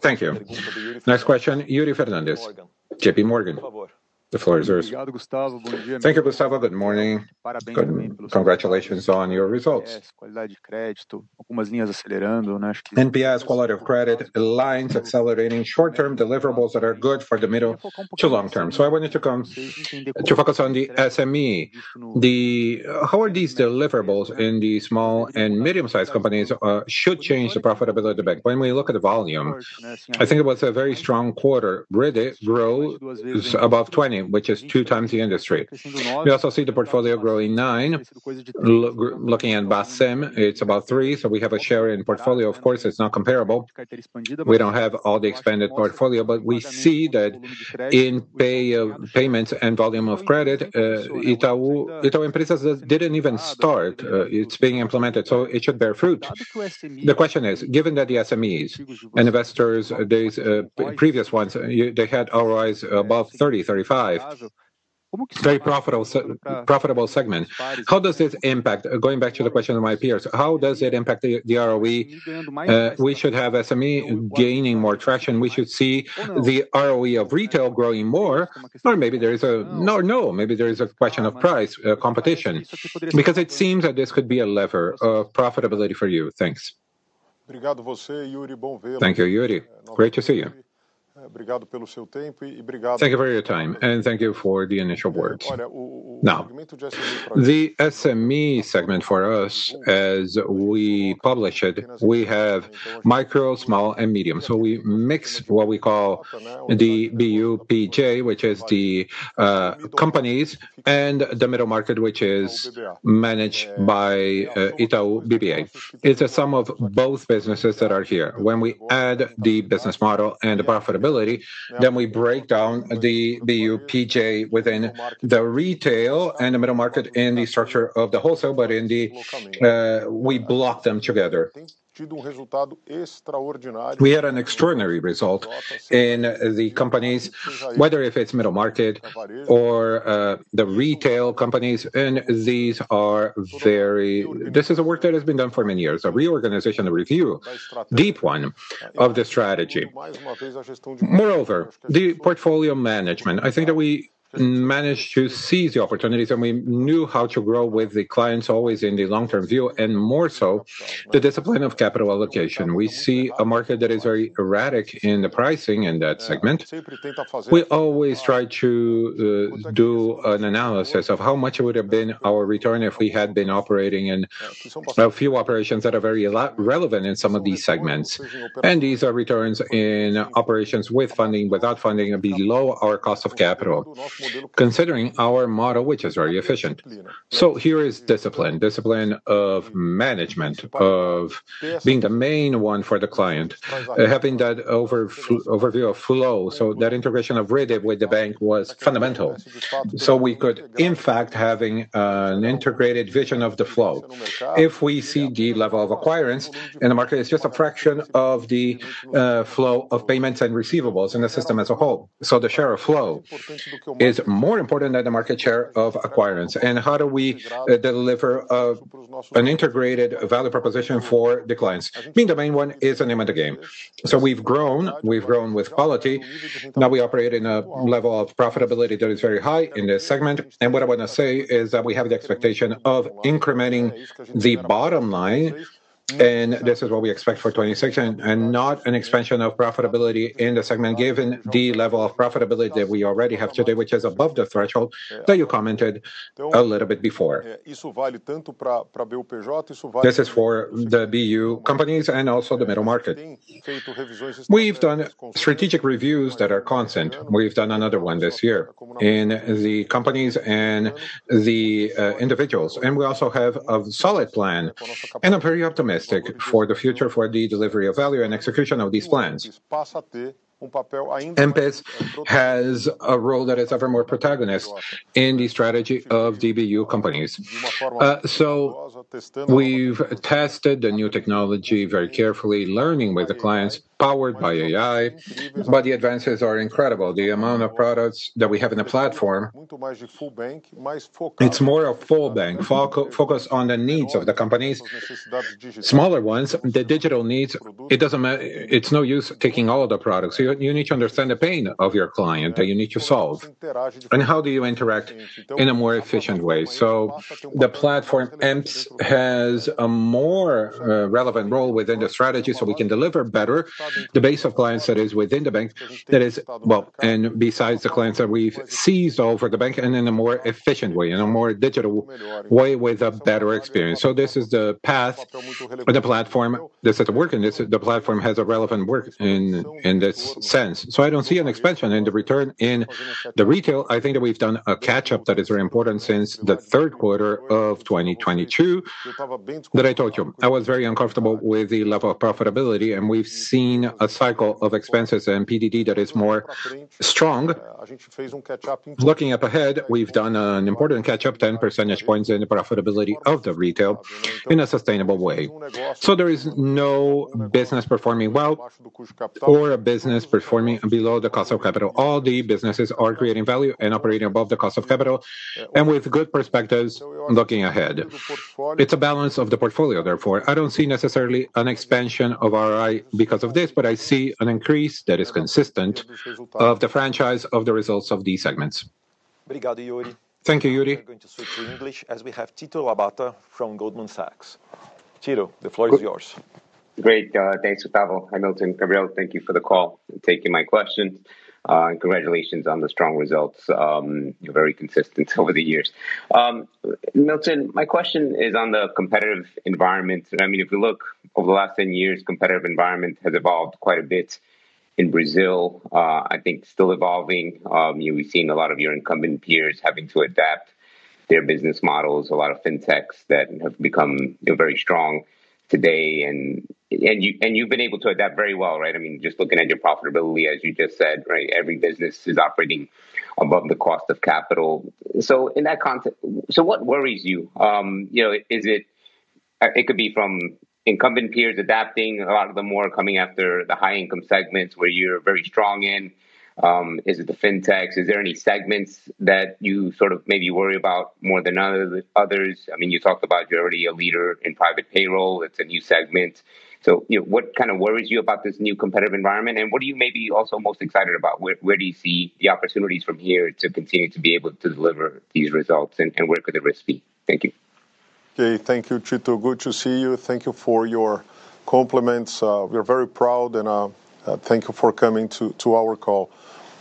Thank you. Next question, Yuri Fernandes, JPMorgan. The floor is yours. Thank you, Gustavo. Good morning. Congratulations on your results. NPS, quality of credit, aligns accelerating short-term deliverables that are good for the middle to long term. So I wanted to come to focus on the SME. How are these deliverables in the small and medium-sized companies should change the profitability of the bank? When we look at the volume, I think it was a very strong quarter, really grow above 20, which is two times the industry. We also see the portfolio growing nine. Looking at Bacen, it's about 3, so we have a share in portfolio. Of course, it's not comparable. We don't have all the expanded portfolio, but we see that in payments and volume of credit, Itaú Empresas didn't even start. It's being implemented, so it should bear fruit. The question is, given that the SMEs and investors, those previous ones, they had ROIs above 30, 35, very profitable profitable segment. How does this impact. Going back to the question of my peers, how does it impact the ROE? We should have SME gaining more traction. We should see the ROE of Retail growing more, or maybe there is a question of price, competition, because it seems that this could be a lever of profitability for you. Thanks. Thank you, Yuri. Great to see you. Thank you for your time, and thank you for the initial words. Now, the SME segment for us, as we publish it, we have micro, small, and medium. So we mix what we call the BU PJ, which is the companies, and the Middle Market, which is managed by Itaú BBA. It's a sum of both businesses that are here. When we add the business model and the profitability, then we break down the BU PJ within the Retail and the Middle Market in the structure of the Wholesale, but in the we block them together. We had an extraordinary result in the companies, whether if it's Middle Market or the Retail companies, and these are very. This is a work that has been done for many years, a reorganization, a review, deep one, of the strategy. Moreover, the portfolio management, I think that we managed to seize the opportunities, and we knew how to grow with the clients, always in the long-term view, and more so, the discipline of capital allocation. We see a market that is very erratic in the pricing in that segment. We always try to do an analysis of how much it would have been our return if we had been operating in a few operations that are very relevant in some of these segments. These are returns in operations with funding, without funding, below our cost of capital, considering our model, which is very efficient. So here is discipline, discipline of management, of being the main one for the client, having that overview of flow. So that integration of Rede with the bank was fundamental. So we could, in fact, having an integrated vision of the flow. If we see the level of acquiring in the market, it's just a fraction of the flow of payments and receivables in the system as a whole. So the share of flow is more important than the market share of acquiring. And how do we deliver an integrated value proposition for the clients? Being the main one is the name of the game. So we've grown, we've grown with quality. Now we operate in a level of profitability that is very high in this segment, and what I wanna say is that we have the expectation of incrementing the bottom line, and this is what we expect for 2026, and, and not an expansion of profitability in the segment, given the level of profitability that we already have today, which is above the threshold that you commented a little bit before. This is for the BU companies and also the Middle Market. We've done strategic reviews that are constant. We've done another one this year in the companies and the individuals, and we also have a solid plan, and I'm very optimistic for the future, for the delivery of value and execution of these plans. MPEs has a role that is evermore protagonist in the strategy of the BU Companies. So we've tested the new technology very carefully, learning with the clients, powered by AI, but the advances are incredible. The amount of products that we have in the platform, it's more a full bank, focused on the needs of the companies. Smaller ones, the digital needs, it doesn't matter. It's no use taking all of the products. You need to understand the pain of your client that you need to solve, and how do you interact in a more efficient way? So the platform, Emps, has a more relevant role within the strategy, so we can deliver better the base of clients that is within the bank. That is... Well, and besides the clients that we've seized over the bank and in a more efficient way, in a more digital way, with a better experience. So this is the path with the platform that's at work, and this, the platform has a relevant work in, in this sense. So I don't see an expansion in the return. In the Retail, I think that we've done a catch-up that is very important since the third quarter of 2022, that I told you, I was very uncomfortable with the level of profitability, and we've seen a cycle of expenses in PDD that is more strong. Looking up ahead, we've done an important catch-up, 10 percentage points in the profitability of the Retail in a sustainable way. So there is no business performing well or a business performing below the cost of capital. All the businesses are creating value and operating above the cost of capital, and with good perspectives looking ahead. It's a balance of the portfolio, therefore, I don't see necessarily an expansion of RI because of this, but I see an increase that is consistent of the franchise of the results of these segments. Thank you, Yuri. We're going to switch to English, as we have Tito Labarta from Goldman Sachs. Tito, the floor is yours. Great, thanks, Gustavo. Hi, Milton, Gabriel, thank you for the call and taking my question, and congratulations on the strong results. You're very consistent over the years. Milton, my question is on the competitive environment, and, I mean, if you look over the last 10 years, competitive environment has evolved quite a bit in Brazil, I think still evolving. We've seen a lot of your incumbent peers having to adapt their business models, a lot of fintechs that have become, you know, very strong today, and, and you, and you've been able to adapt very well, right? I mean, just looking at your profitability, as you just said, right, every business is operating above the cost of capital. So in that context... So what worries you? You know, it could be from incumbent peers adapting, a lot of them more coming after the high-income segments, where you're very strong in. Is it the fintechs? Is there any segments that you sort of maybe worry about more than other, others? I mean, you talked about you're already a leader in private payroll. It's a new segment. So, you know, what kind of worries you about this new competitive environment, and what are you maybe also most excited about? Where do you see the opportunities from here to continue to be able to deliver these results, and where could the risks be? Thank you. Okay, thank you, Tito. Good to see you. Thank you for your compliments. We are very proud, and thank you for coming to our call.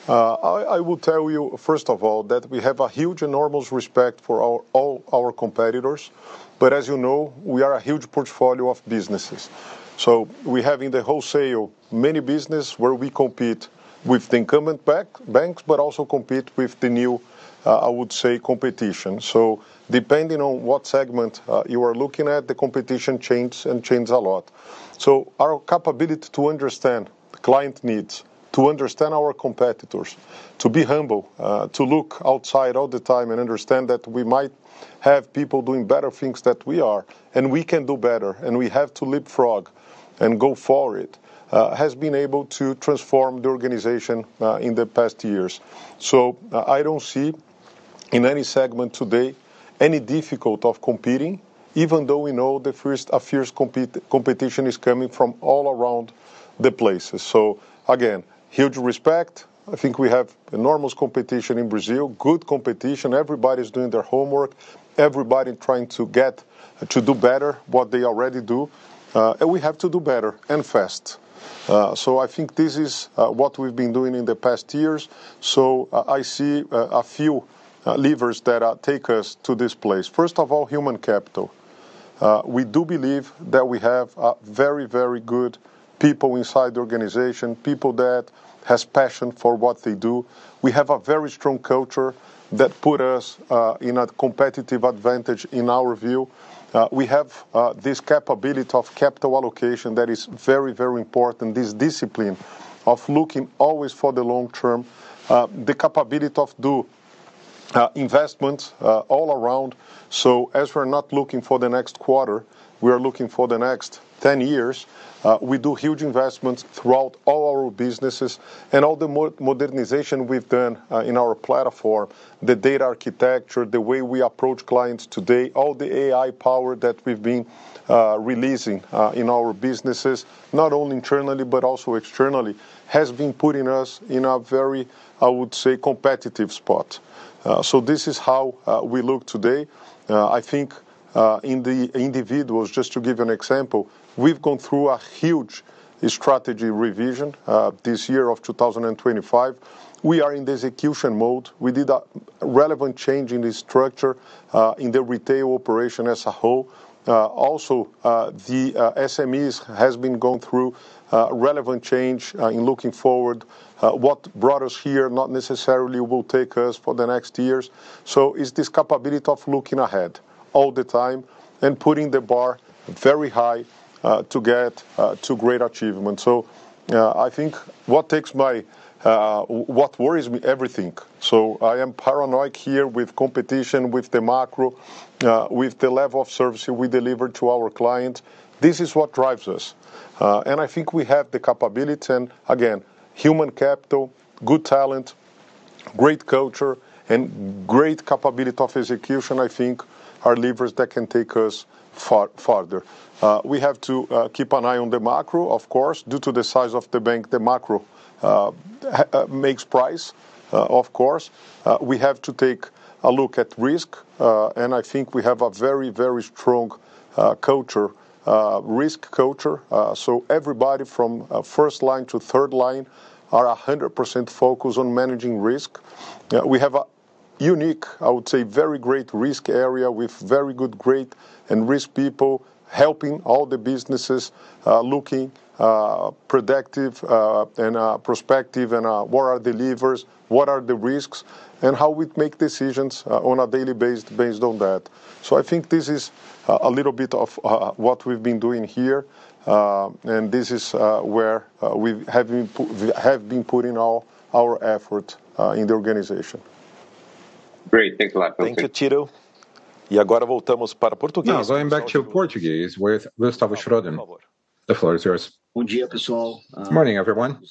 I will tell you, first of all, that we have a huge, enormous respect for all our competitors, but as you know, we are a huge portfolio of businesses. So we have in the Wholesale, many business where we compete with the incumbent bank, banks, but also compete with the new, I would say, competition. So depending on what segment you are looking at, the competition changes and changes a lot. So our capability to understand client needs, to understand our competitors, to be humble, to look outside all the time and understand that we might have people doing better things than we are, and we can do better, and we have to leapfrog and go forward, has been able to transform the organization in the past years. So, I don't see, in any segment today, any difficulty of competing, even though we know a fierce competition is coming from all around the places. So again, huge respect. I think we have enormous competition in Brazil, good competition. Everybody's doing their homework, everybody trying to get to do better what they already do, and we have to do better and fast. So I think this is what we've been doing in the past years. So I see a few levers that take us to this place. First of all, human capital. We do believe that we have very, very good people inside the organization, people that has passion for what they do. We have a very strong culture that put us in a competitive advantage in our view. We have this capability of capital allocation that is very, very important. This discipline of looking always for the long term, the capability of do investments all around. So as we're not looking for the next quarter, we are looking for the next 10 years. We do huge investments throughout all our businesses and all the modernization we've done in our platform, the data architecture, the way we approach clients today, all the AI power that we've been releasing in our businesses, not only internally, but also externally, has been putting us in a very, I would say, competitive spot. So this is how we look today. I think in the individuals, just to give you an example, we've gone through a huge strategy revision this year of 2025. We are in the execution mode. We did a relevant change in the structure in the Retail operation as a whole. Also, the SMEs has been going through relevant change in looking forward. What brought us here not necessarily will take us for the next years. So it's this capability of looking ahead all the time and putting the bar very high to get to great achievement. So I think what takes my... What worries me? Everything. So I am paranoid here with competition, with the macro, with the level of service we deliver to our clients. This is what drives us. And I think we have the capability and again, human capital, good talent, great culture, and great capability of execution, I think, are levers that can take us farther. We have to keep an eye on the macro, of course. Due to the size of the bank, the macro makes price, of course. We have to take a look at risk, and I think we have a very, very strong culture, risk culture. So everybody from first line to third line are 100% focused on managing risk. We have a unique, I would say, very great risk area with very good, great, and risk people helping all the businesses, looking productive and prospective, and what are the levers, what are the risks, and how we make decisions on a daily basis, based on that. So I think this is a little bit of what we've been doing here, and this is where we've been putting all our effort in the organization. Great. Thanks a lot, Milton. Thank you, Tito. Now going back to Portuguese with Gustavo Schroden. The floor is yours. Good morning, everyone.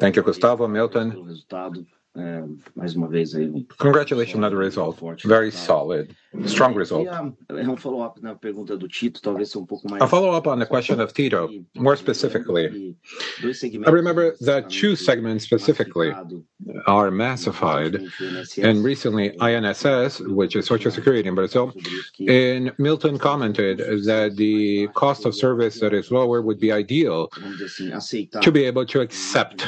Thank you, Gustavo, Milton. Congratulations on the result. Very solid. Strong result. A follow-up on the question of Tito, more specifically. I remember that two segments specifically are massified, and recently, INSS, which is Social Security in Brazil, and Milton commented that the cost of service that is lower would be ideal to be able to accept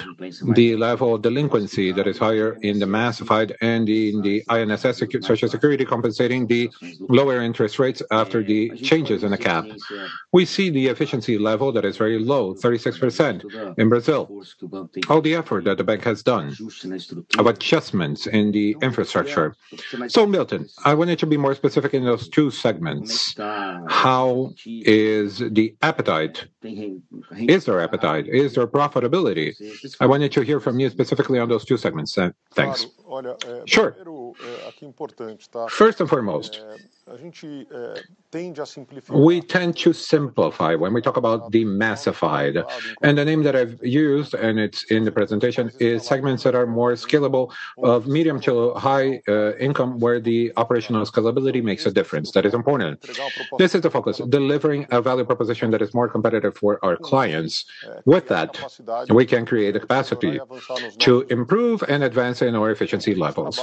the level of delinquency that is higher in the massified and in the INSS, Social Security, compensating the lower interest rates after the changes in the cap. We see the efficiency level that is very low, 36% in Brazil. All the effort that the bank has done, of adjustments in the infrastructure. So Milton, I want you to be more specific in those two segments. How is the appetite? Is there appetite? Is there profitability? I wanted to hear from you specifically on those two segments. Thanks. Sure. First and foremost, we tend to simplify when we talk about the massified, and the name that I've used, and it's in the presentation, is segments that are more scalable of medium to high income, where the operational scalability makes a difference. That is important. This is the focus, delivering a value proposition that is more competitive for our clients. With that, we can create a capacity to improve and advance in our efficiency levels.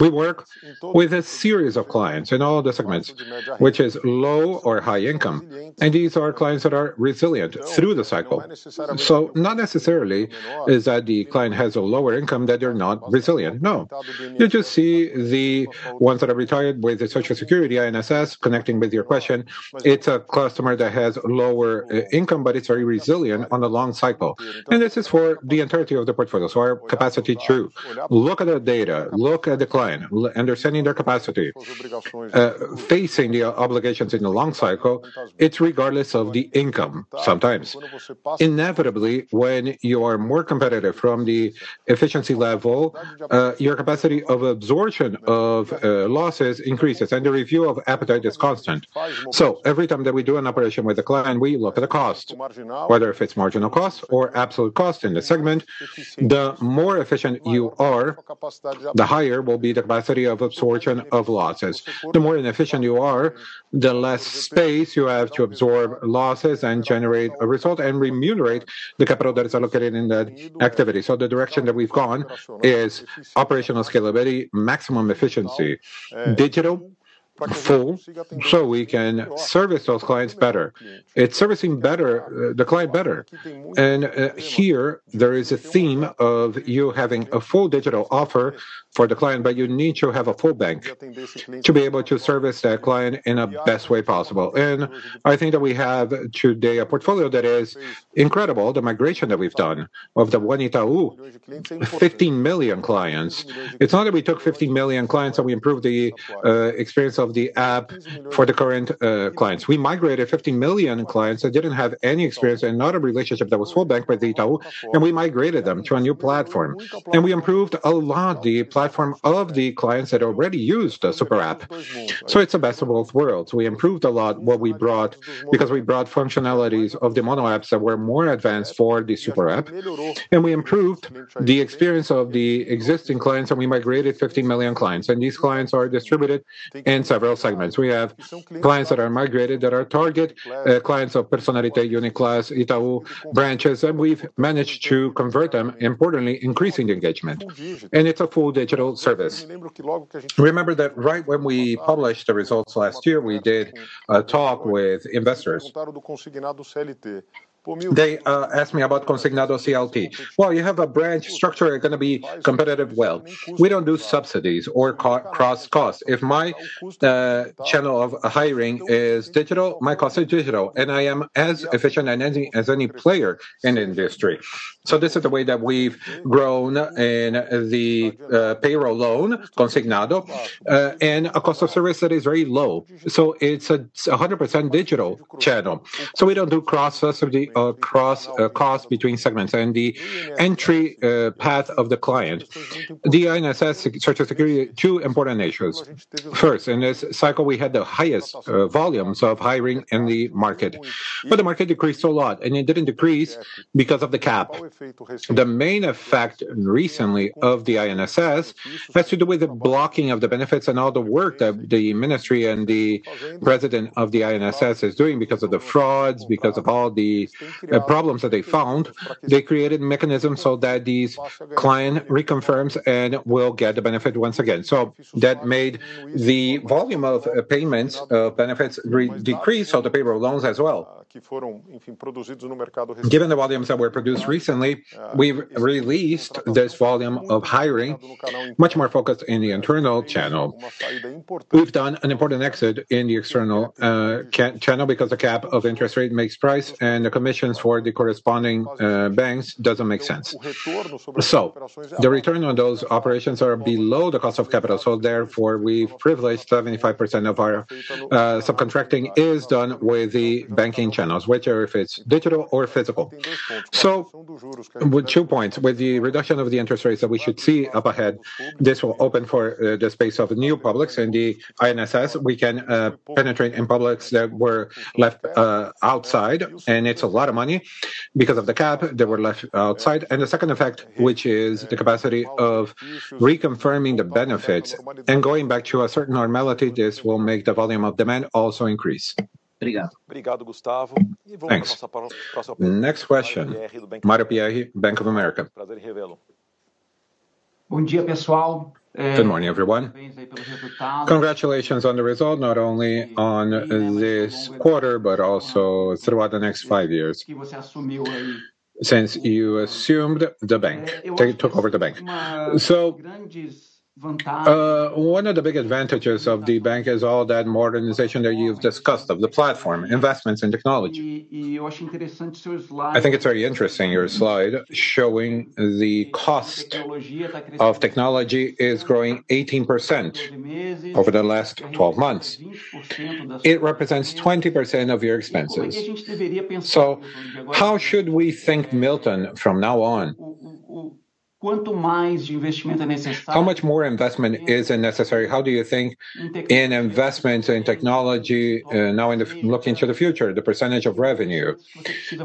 We work with a series of clients in all the segments, which is low or high income, and these are clients that are resilient through the cycle. So not necessarily is that the client has a lower income, that they're not resilient. No. You just see the ones that are retired with the Social Security, INSS, connecting with your question, it's a customer that has lower income, but it's very resilient on the long cycle, and this is for the entirety of the portfolio. So our capacity, true. Look at the data, look at the client, understanding their capacity facing the obligations in the long cycle, it's regardless of the income, sometimes. Inevitably, when you are more competitive from the efficiency level, your capacity of absorption of losses increases, and the review of appetite is constant. So every time that we do an operation with a client, we look at the cost, whether if it's marginal cost or absolute cost in the segment. The more efficient you are, the higher will be the capacity of absorption of losses. The more inefficient you are, the less space you have to absorb losses and generate a result and remunerate the capital that is allocated in that activity. So the direction that we've gone is operational scalability, maximum efficiency, digital, full, so we can service those clients better. It's servicing better, the client better, and, here, there is a theme of you having a full digital offer for the client, but you need to have a full bank to be able to service that client in a best way possible. And I think that we have today a portfolio that is incredible, the migration that we've done of the One Itaú, 50 million clients. It's not that we took 50 million clients, and we improved the, experience of the app for the current, clients. We migrated 50 million clients that didn't have any experience and not a relationship that was full bank by the Itaú, and we migrated them to a new platform, and we improved a lot the platform of the clients that already used the Super App. So it's the best of both worlds. We improved a lot what we brought because we brought functionalities of the mono apps that were more advanced for the Super App, and we improved the experience of the existing clients, and we migrated 50 million clients, and these clients are distributed in several segments. We have clients that are migrated, that are target, clients of Personnalité, Uniclass, Itaú branches, and we've managed to convert them, importantly, increasing engagement, and it's a full digital service. Remember that right when we published the results last year, we did a talk with investors. They asked me about Consignado CLT. Well, you have a branch structure, you're gonna be competitive well. We don't do subsidies or cross costs. If my channel of hiring is digital, my costs are digital, and I am as efficient as any player in the industry. So this is the way that we've grown in the payroll loan, Consignado, and a cost of service that is very low. So it's a 100% digital channel, so we don't do cross subsidy or cross costs between segments. And the entry path of the client, the INSS Social Security, two important issues. First, in this cycle, we had the highest volumes of hiring in the market, but the market decreased a lot, and it didn't decrease because of the cap. The main effect recently of the INSS has to do with the blocking of the benefits and all the work that the ministry and the president of the INSS is doing because of the frauds, because of all the problems that they found. They created mechanisms so that these client reconfirms and will get the benefit once again. So that made the volume of payments, of benefits, decrease, so the payroll loans as well. Given the volumes that were produced recently, we've released this volume of hiring, much more focused in the internal channel. We've done an important exit in the external channel because the cap of interest rate makes price, and the commissions for the corresponding banks doesn't make sense. So the return on those operations are below the cost of capital, so therefore, we've privileged 75% of our subcontracting is done with the banking channels, whichever if it's digital or physical. So with two points, with the reduction of the interest rates that we should see up ahead, this will open for the space of new publics. In the INSS, we can penetrate in publics that were left outside, and it's a lot of money. Because of the cap, they were left outside. And the second effect, which is the capacity of reconfirming the benefits and going back to a certain normality, this will make the volume of demand also increase. Thanks. Next question, Mario Pierry, Bank of America. Good morning, everyone. Congratulations on the result, not only on this quarter, but also throughout the next five years since you assumed the bank, took over the bank. So, one of the big advantages of the bank is all that modernization that you've discussed, of the platform, investments in technology. I think it's very interesting, your slide, showing the cost of technology is growing 18% over the last 12 months. It represents 20% of your expenses. So how should we think, Milton, from now on? How much more investment is necessary, how do you think, in investment, in technology, now in the, looking to the future, the percentage of revenue?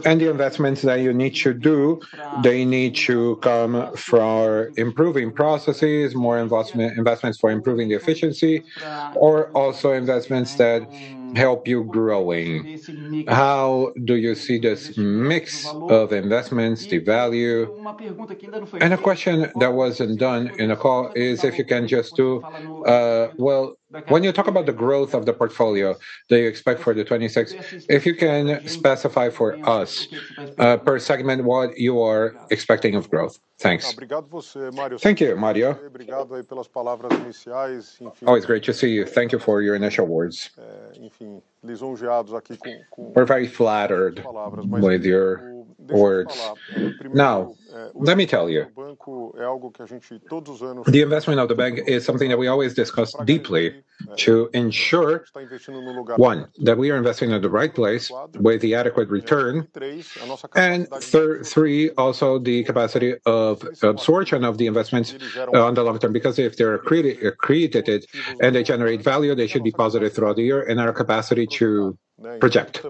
And the investments that you need to do, they need to come from improving processes, more investments for improving the efficiency, or also investments that help you growing. How do you see this mix of investments, the value? A question that wasn't done in the call is if you can just do, Well, when you talk about the growth of the portfolio, that you expect for 2026, if you can specify for us, per segment, what you are expecting of growth. Thanks. Thank you, Mario. Oh, it's great to see you. Thank you for your initial words. We're very flattered with your words. Now, let me tell you, the investment of the bank is something that we always discuss deeply to ensure, one, that we are investing in the right place with the adequate return, and three, also the capacity of absorption of the investments, on the long term, because if they are created and they generate value, they should be positive throughout the year in our capacity to project.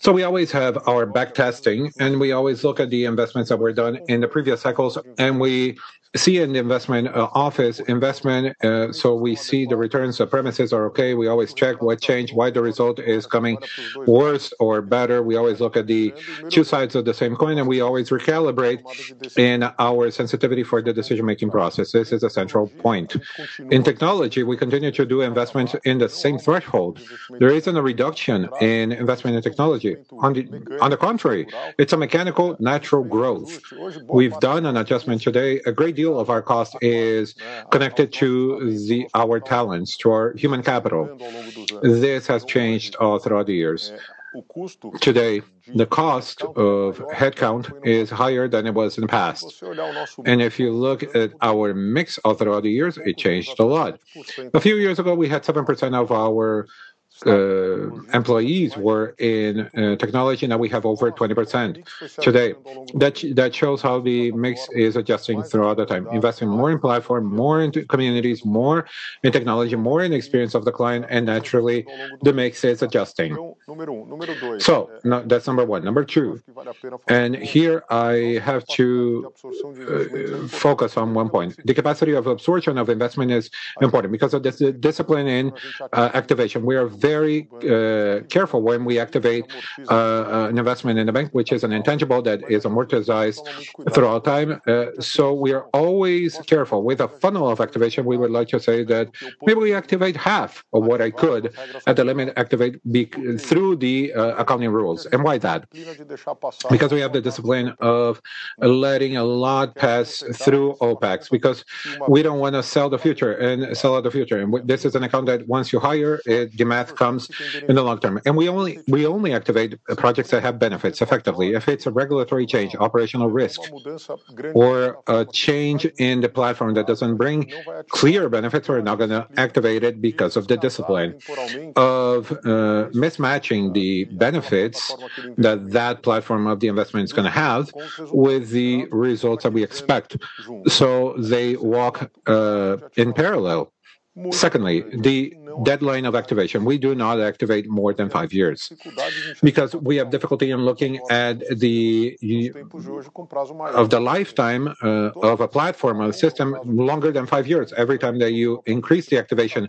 So we always have our back testing, and we always look at the investments that were done in the previous cycles, and we see in the investment, office investment, so we see the return premises are okay. We always check what changed, why the result is coming worse or better. We always look at the two sides of the same coin, and we always recalibrate in our sensitivity for the decision-making process. This is a central point. In technology, we continue to do investments in the same threshold. There isn't a reduction in investment in technology. On the contrary, it's a mechanical, natural growth. We've done an adjustment today. A great deal of our cost is connected to our talents, to our human capital. This has changed all throughout the years. Today, the cost of headcount is higher than it was in the past, and if you look at our mix all throughout the years, it changed a lot. A few years ago, we had 7% of our employees were in technology. Now, we have over 20% today. That shows how the mix is adjusting throughout the time, investing more in platform, more into communities, more in technology, more in experience of the client, and naturally, the mix is adjusting. So that's number one. Number two, and here I have to focus on one point. The capacity of absorption of investment is important because of the discipline and activation. We are very careful when we activate an investment in the bank, which is an intangible that is amortized throughout time. So we are always careful. With a funnel of activation, we would like to say that maybe we activate half of what I could, at the limit, activate through the accounting rules. And why that? Because we have the discipline of letting a lot pass through OpEx, because we don't wanna sell the future, sell out the future, and this is an account that once you hire it, the math comes in the long term. And we only, we only activate projects that have benefits effectively. If it's a regulatory change, operational risk, or a change in the platform that doesn't bring clear benefits, we're not gonna activate it because of the discipline of mismatching the benefits that that platform of the investment is gonna have with the results that we expect. So they walk in parallel. Secondly, the deadline of activation. We do not activate more than five years because we have difficulty in looking at the lifetime of a platform or system longer than five years. Every time that you increase the activation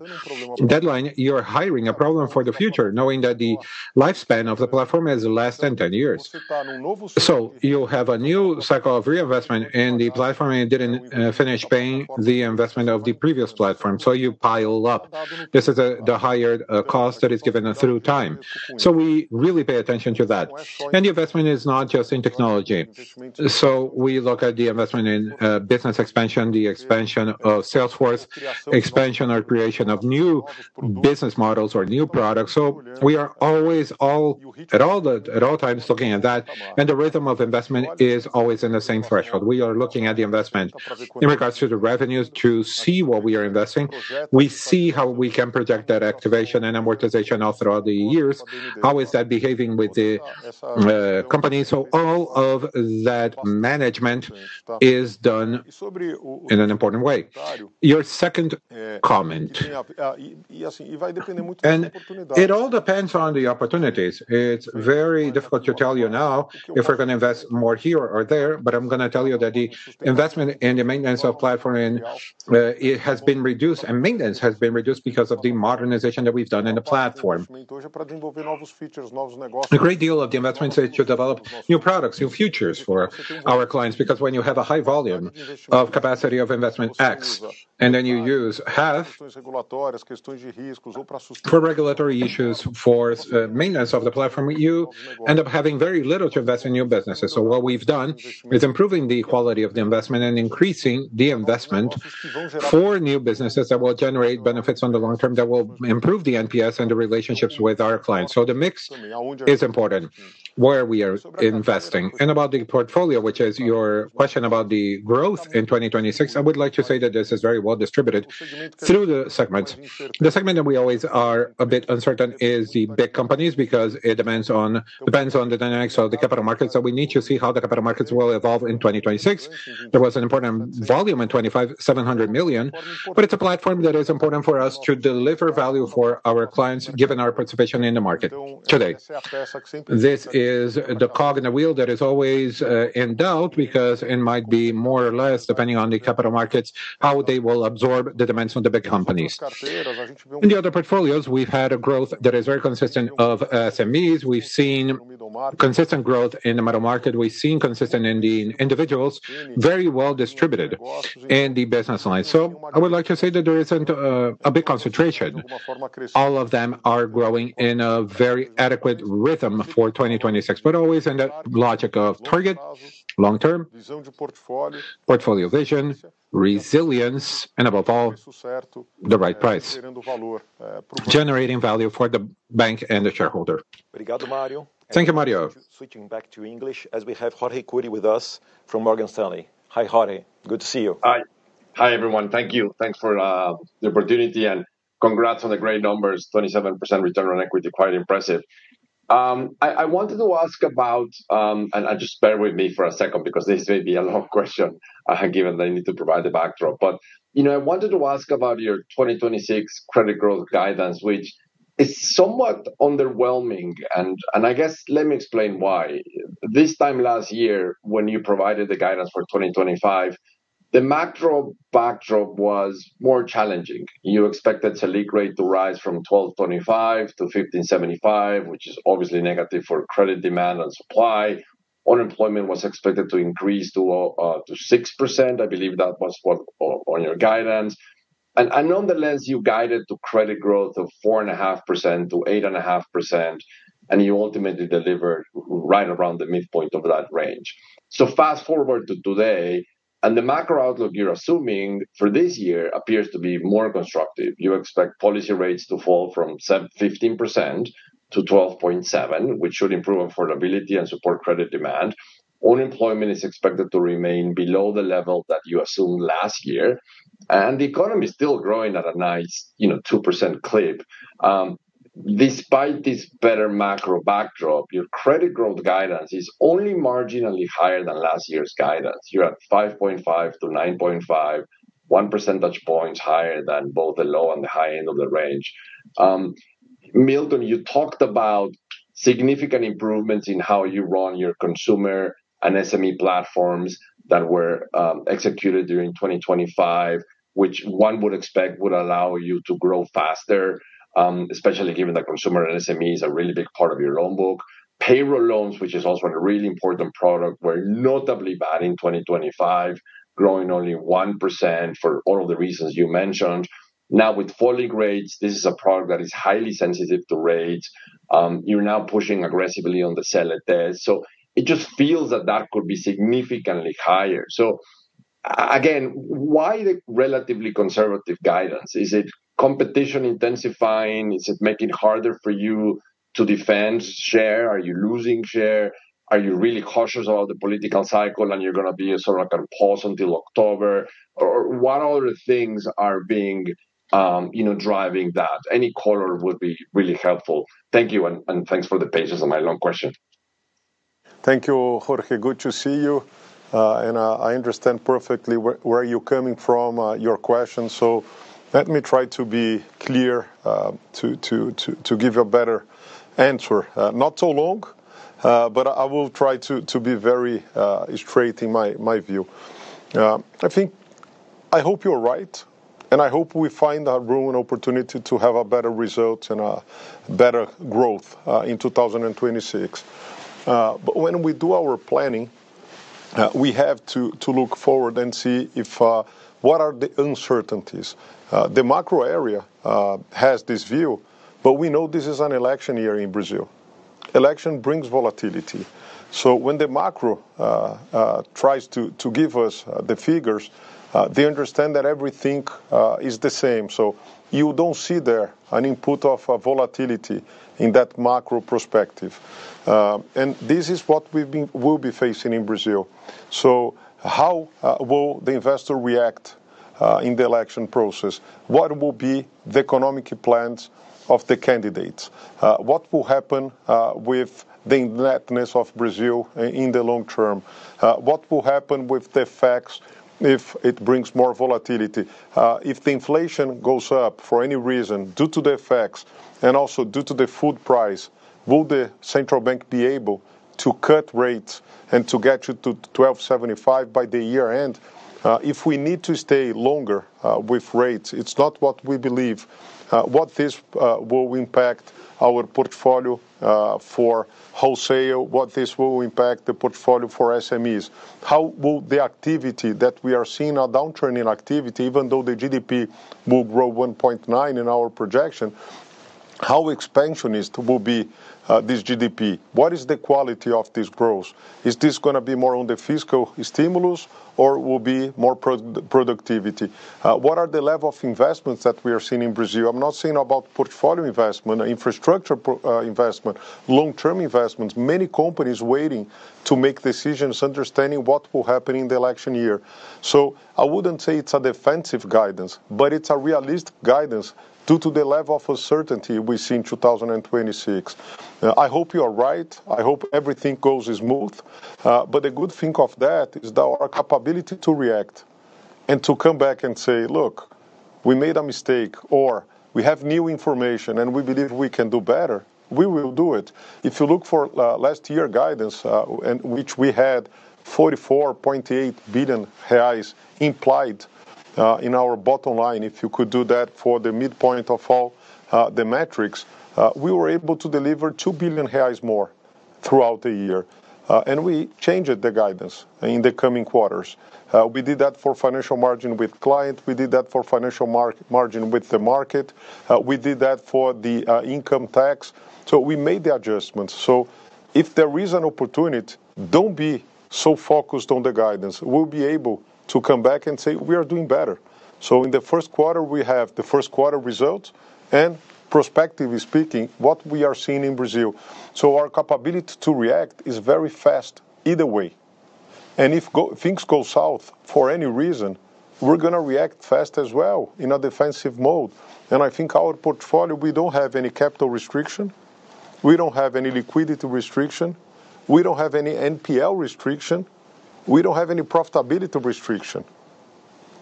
deadline, you're hiring a problem for the future, knowing that the lifespan of the platform is less than 10 years. So you have a new cycle of reinvestment, and the platform it didn't finish paying the investment of the previous platform, so you pile up. This is the higher cost that is given through time. So we really pay attention to that. Any investment is not just in technology. So we look at the investment in business expansion, the expansion of sales force, expansion or creation of new business models or new products. So we are always, at all times looking at that, and the rhythm of investment is always in the same threshold. We are looking at the investment in regards to the revenues to see what we are investing. We see how we can project that activation and amortization all throughout the years. How is that behaving with the company? So all of that management is done in an important way. Your second comment. It all depends on the opportunities. It's very difficult to tell you now if we're gonna invest more here or there, but I'm gonna tell you that the investment and the maintenance of platform in it has been reduced, and maintenance has been reduced because of the modernization that we've done in the platform. A great deal of the investments are to develop new products, new futures for our clients, because when you have a high volume of capacity of investment X, and then you use half for regulatory issues, for maintenance of the platform, you end up having very little to invest in new businesses. So what we've done is improving the quality of the investment and increasing the investment for new businesses that will generate benefits on the long term, that will improve the NPS and the relationships with our clients. So the mix is important, where we are investing. And about the portfolio, which is your question about the growth in 2026, I would like to say that this is very well distributed through the segments. The segment that we always are a bit uncertain is the big companies, because it depends on the dynamics of the capital markets, so we need to see how the capital markets will evolve in 2026. There was an important volume in 2025, 700 million, but it's a platform that is important for us to deliver value for our clients, given our participation in the market today. This is the cog in the wheel that is always in doubt, because it might be more or less, depending on the capital markets, how they will absorb the demands from the big companies. In the other portfolios, we've had a growth that is very consistent of SMEs. We've seen consistent growth in the Middle Market. We've seen consistent in the individuals, very well distributed in the business line. I would like to say that there isn't a big concentration. All of them are growing in a very adequate rhythm for 2026, but always in the logic of target, long-term, portfolio vision, resilience, and above all, the right price, generating value for the bank and the shareholder. Thank you, Mario. Switching back to English, as we have Jorge Kuri with us from Morgan Stanley. Hi, Jorge. Good to see you. Hi. Hi, everyone. Thank you. Thanks for the opportunity, and congrats on the great numbers, 27% return on equity. Quite impressive. I wanted to ask about, and just bear with me for a second, because this may be a long question, given that I need to provide the backdrop. But, you know, I wanted to ask about your 2026 credit growth guidance, which is somewhat underwhelming, and I guess, let me explain why. This time last year, when you provided the guidance for 2025, the macro backdrop was more challenging. You expected Selic rate to rise from 12.5-15.75, which is obviously negative for credit demand and supply. Unemployment was expected to increase to 6%, I believe that was what on your guidance. Nonetheless, you guided the credit growth of 4.5%-8.5%, and you ultimately delivered right around the midpoint of that range. So fast-forward to today, and the macro outlook you're assuming for this year appears to be more constructive. You expect policy rates to fall from 15% to 12.7%, which should improve affordability and support credit demand. Unemployment is expected to remain below the level that you assumed last year, and the economy is still growing at a nice, you know, 2% clip. Despite this better macro backdrop, your credit growth guidance is only marginally higher than last year's guidance. You're at 5.5%-9.5%, one percentage point higher than both the low and the high end of the range. Milton, you talked about significant improvements in how you run your consumer and SME platforms that were executed during 2025, which one would expect would allow you to grow faster, especially given that consumer and SME is a really big part of your loan book. Payroll loans, which is also a really important product, were notably bad in 2025, growing only 1% for all of the reasons you mentioned. Now, with falling rates, this is a product that is highly sensitive to rates. You're now pushing aggressively on the Selic rate, so it just feels that that could be significantly higher. Again, why the relatively conservative guidance? Is it competition intensifying? Is it making it harder for you to defend share? Are you losing share? Are you really cautious about the political cycle, and you're gonna be in sort of like a pause until October? Or what other things are being, you know, driving that? Any color would be really helpful. Thank you, and, and thanks for the patience on my long question. Thank you, Jorge. Good to see you. I understand perfectly where you're coming from, your question, so let me try to be clear, to give you a better answer. Not so long, but I will try to be very straight in my view. I think... I hope you're right, and I hope we find our room and opportunity to have a better result and a better growth, in 2026. But when we do our planning, we have to look forward and see if what are the uncertainties. The macro area has this view, but we know this is an election year in Brazil. Election brings volatility. So when the macro tries to give us the figures, they understand that everything is the same. So you don't see there an input of volatility in that macro perspective. And this is what we've been- we'll be facing in Brazil. So how will the investor react in the election process? What will be the economic plans of the candidates? What will happen with the indebtedness of Brazil in the long term? What will happen with the FX if it brings more volatility? If the inflation goes up for any reason, due to the FX and also due to the food price, will the central bank be able to cut rates and to get you to 12.75 by the year end? If we need to stay longer with rates, it's not what we believe. What this will impact our portfolio for Wholesale, what this will impact the portfolio for SMEs? How will the activity that we are seeing, a downtrend in activity, even though the GDP will grow 1.9 in our projection, how expansionist will be this GDP? What is the quality of this growth? Is this gonna be more on the fiscal stimulus, or will be more productivity? What are the level of investments that we are seeing in Brazil? I'm not saying about portfolio investment, infrastructure pro-investment, long-term investments, many companies waiting to make decisions, understanding what will happen in the election year. So I wouldn't say it's a defensive guidance, but it's a realist guidance due to the level of uncertainty we see in 2026. I hope you are right. I hope everything goes as smooth. But the good thing of that is that our capability to react and to come back and say, "Look, we made a mistake," or, "We have new information, and we believe we can do better," we will do it. If you look for last year guidance, and which we had 44.8 billion reais implied in our bottom line, if you could do that for the midpoint of all the metrics, we were able to deliver 2 billion reais more... throughout the year, and we changed the guidance in the coming quarters. We did that for financial margin with client, we did that for financial margin with the market, we did that for the income tax. So we made the adjustments. So if there is an opportunity, don't be so focused on the guidance. We'll be able to come back and say, "We are doing better." So in the first quarter, we have the first quarter results, and prospectively speaking, what we are seeing in Brazil. So our capability to react is very fast either way, and if things go south for any reason, we're gonna react fast as well in a defensive mode. And I think our portfolio, we don't have any capital restriction, we don't have any liquidity restriction, we don't have any NPL restriction, we don't have any profitability restriction.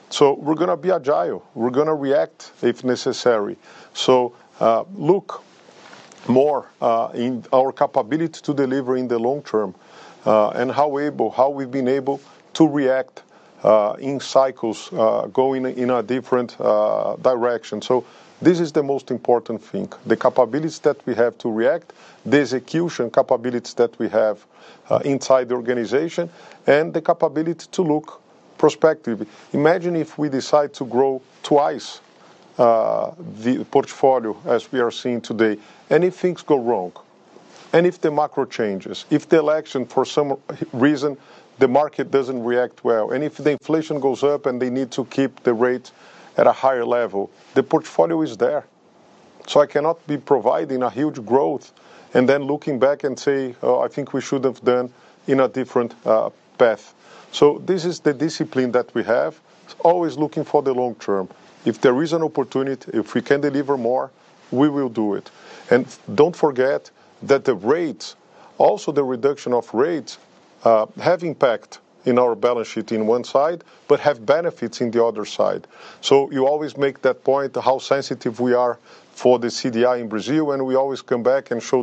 So we're gonna be agile, we're gonna react if necessary. So, look more in our capability to deliver in the long term, and how we've been able to react in cycles going in a different direction. So this is the most important thing, the capabilities that we have to react, the execution capabilities that we have inside the organization, and the capability to look prospective. Imagine if we decide to grow twice the portfolio as we are seeing today, and if things go wrong, and if the macro changes, if the election, for some reason, the market doesn't react well, and if the inflation goes up and they need to keep the rate at a higher level, the portfolio is there. So I cannot be providing a huge growth, and then looking back and say, "Oh, I think we should have done in a different path." So this is the discipline that we have, always looking for the long term. If there is an opportunity, if we can deliver more, we will do it. And don't forget that the rates, also the reduction of rates, have impact in our balance sheet in one side, but have benefits in the other side. So you always make that point, how sensitive we are for the CDI in Brazil, and we always come back and show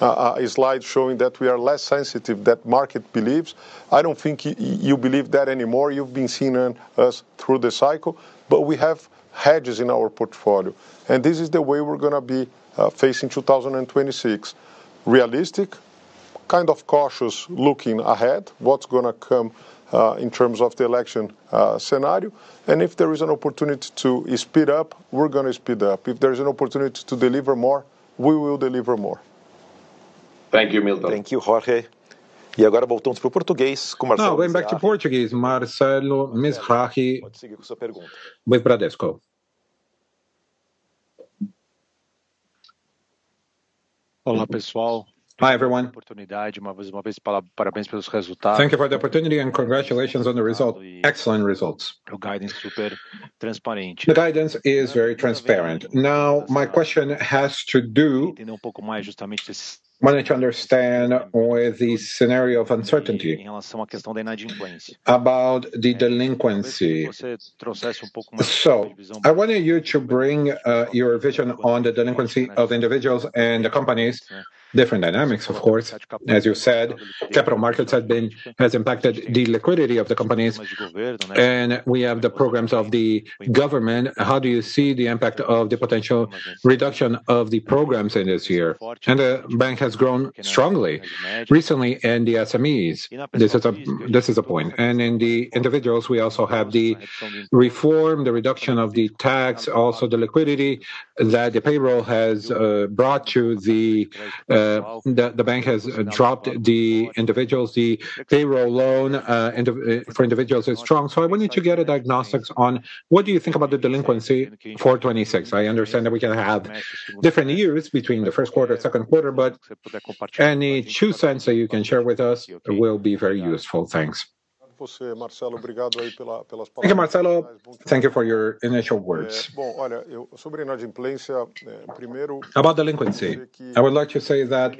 a slide showing that we are less sensitive, that market believes. I don't think you believe that anymore. You've been seeing us through the cycle, but we have hedges in our portfolio, and this is the way we're gonna be facing 2026. Realistic, kind of cautious looking ahead, what's gonna come in terms of the election scenario, and if there is an opportunity to speed up, we're gonna speed up. If there is an opportunity to deliver more, we will deliver more. Thank you, Milton. Thank you, Jorge. Now, going back to Portuguese, Marcelo Mizzachi. From Bradesco. Hi, everyone. Thank you for the opportunity, and congratulations on the result. Excellent results. The guidance is very transparent. Now, my question has to do... wanting to understand with the scenario of uncertainty, about the delinquency. So I wanted you to bring, your vision on the delinquency of individuals and the companies. Different dynamics, of course. As you said, capital markets have been, has impacted the liquidity of the companies, and we have the programs of the government. How do you see the impact of the potential reduction of the programs in this year? And the bank has grown strongly recently, and the SMEs, this is a point. And in the individuals, we also have the reform, the reduction of the tax, also the liquidity that the payroll has, brought to the... The bank has dropped the individuals, the payroll loan for individuals is strong. So I wanted to get a diagnosis on what do you think about the delinquency for 2026? I understand that we can have different years between the first quarter, second quarter, but any two cents that you can share with us will be very useful. Thanks. Thank you, Marcelo. Thank you for your initial words. About delinquency, I would like to say that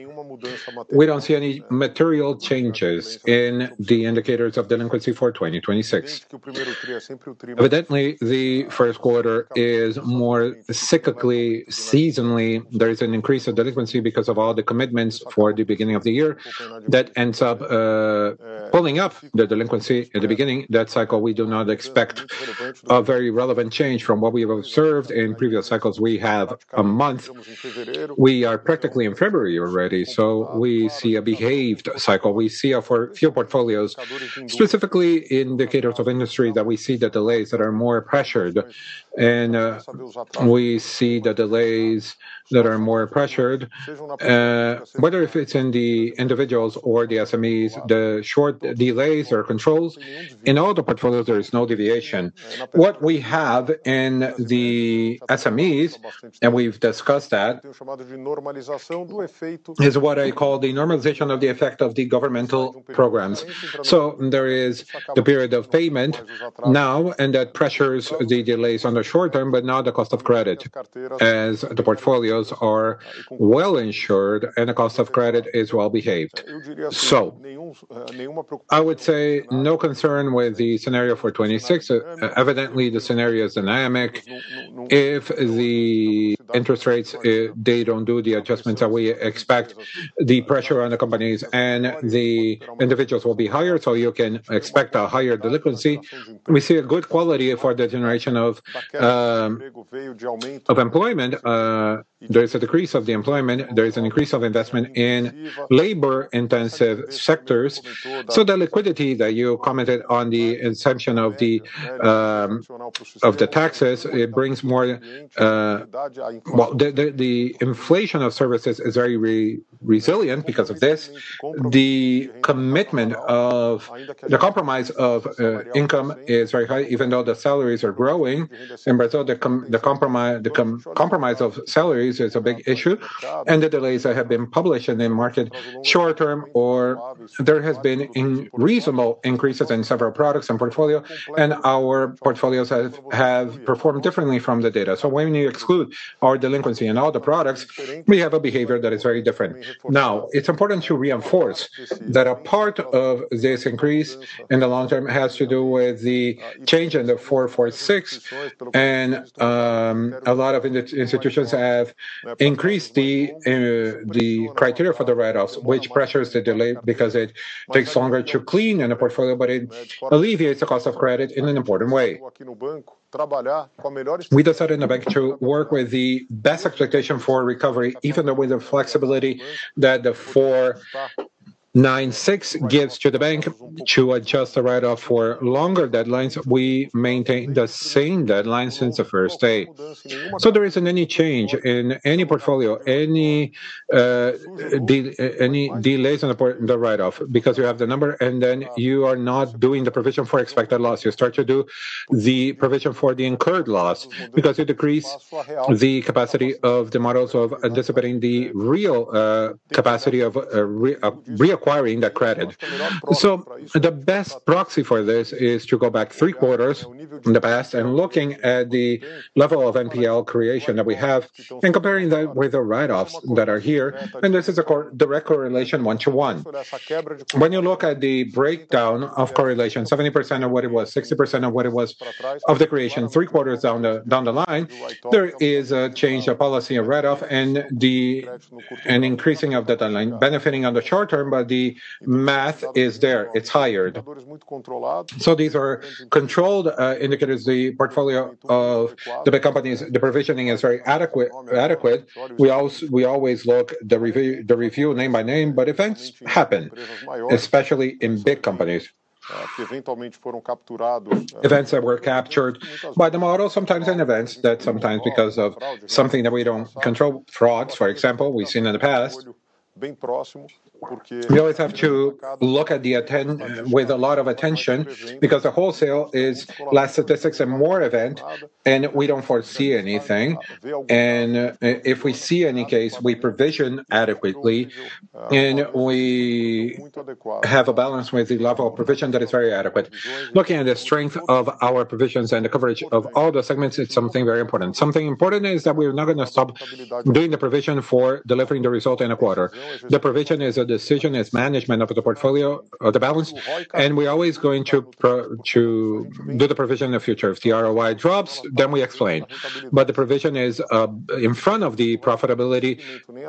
we don't see any material changes in the indicators of delinquency for 2026. Evidently, the first quarter is more cyclically, seasonally, there is an increase of delinquency because of all the commitments for the beginning of the year that ends up pulling up the delinquency at the beginning. That cycle, we do not expect a very relevant change from what we have observed in previous cycles. We have a month. We are practically in February already, so we see a behaved cycle. We see a few portfolios, specifically indicators of industry, that we see the delays that are more pressured. And we see the delays that are more pressured, whether if it's in the individuals or the SMEs, the short delays or controls, in all the portfolios, there is no deviation. What we have in the SMEs, and we've discussed that, is what I call the normalization of the effect of the governmental programs. So there is the period of payment now, and that pressures the delays on the short term, but not the cost of credit, as the portfolios are well insured, and the cost of credit is well behaved. So I would say no concern with the scenario for 2026. Evidently, the scenario is dynamic. If the interest rates they don't do the adjustments that we expect, the pressure on the companies and the individuals will be higher, so you can expect a higher delinquency. We see a good quality for the generation of employment. There is a decrease of the employment, there is an increase of investment in labor-intensive sectors. So the liquidity that you commented on the inception of the taxes, it brings more, well, the inflation of services is very resilient because of this. The commitment of the compromise of income is very high, even though the salaries are growing. In Brazil, the compromise of salaries is a big issue, and the delays that have been published in the market, short-term or there has been in reasonable increases in several products and portfolio, and our portfolios have performed differently from the data. So when you exclude our delinquency and all the products, we have a behavior that is very different. Now, it's important to reinforce that a part of this increase in the long term has to do with the change in the 446, and a lot of institutions have increased the criteria for the write-offs, which pressures the delay because it takes longer to clean in a portfolio, but it alleviates the cost of credit in an important way. We decided in the bank to work with the best expectation for recovery, even though with the flexibility that the 496 gives to the bank to adjust the write-off for longer deadlines, we maintain the same deadline since the first day. So there isn't any change in any portfolio, any delays on the portfolio, the write-off, because you have the number, and then you are not doing the provision for expected loss. You start to do the provision for the incurred loss because you decrease the capacity of the models of anticipating the real capacity of reacquiring that credit. So the best proxy for this is to go back three quarters in the past and looking at the level of NPL creation that we have and comparing that with the write-offs that are here, and this is a direct correlation, one to one. When you look at the breakdown of correlation, 70% of what it was, 60% of what it was, of the creation, three quarters down the line, there is a change of policy in write-off and an increasing of the timeline, benefiting on the short term, but the math is there, it's higher. So these are controlled indicators. The portfolio of the big companies, the provisioning is very adequate, adequate. We always look the review name by name, but events happen, especially in big companies. Events that were captured by the model, sometimes in events that sometimes because of something that we don't control, frauds, for example, we've seen in the past. We always have to look at the attention with a lot of attention, because the Wholesale is less statistics and more event, and we don't foresee anything. And, if we see any case, we provision adequately, and we have a balance with the level of provision that is very adequate. Looking at the strength of our provisions and the coverage of all the segments, it's something very important. Something important is that we are not going to stop doing the provision for delivering the result in a quarter. The provision is a decision; it's management of the portfolio or the balance, and we're always going to to do the provision in the future. If the ROI drops, then we explain, but the provision is in front of the profitability,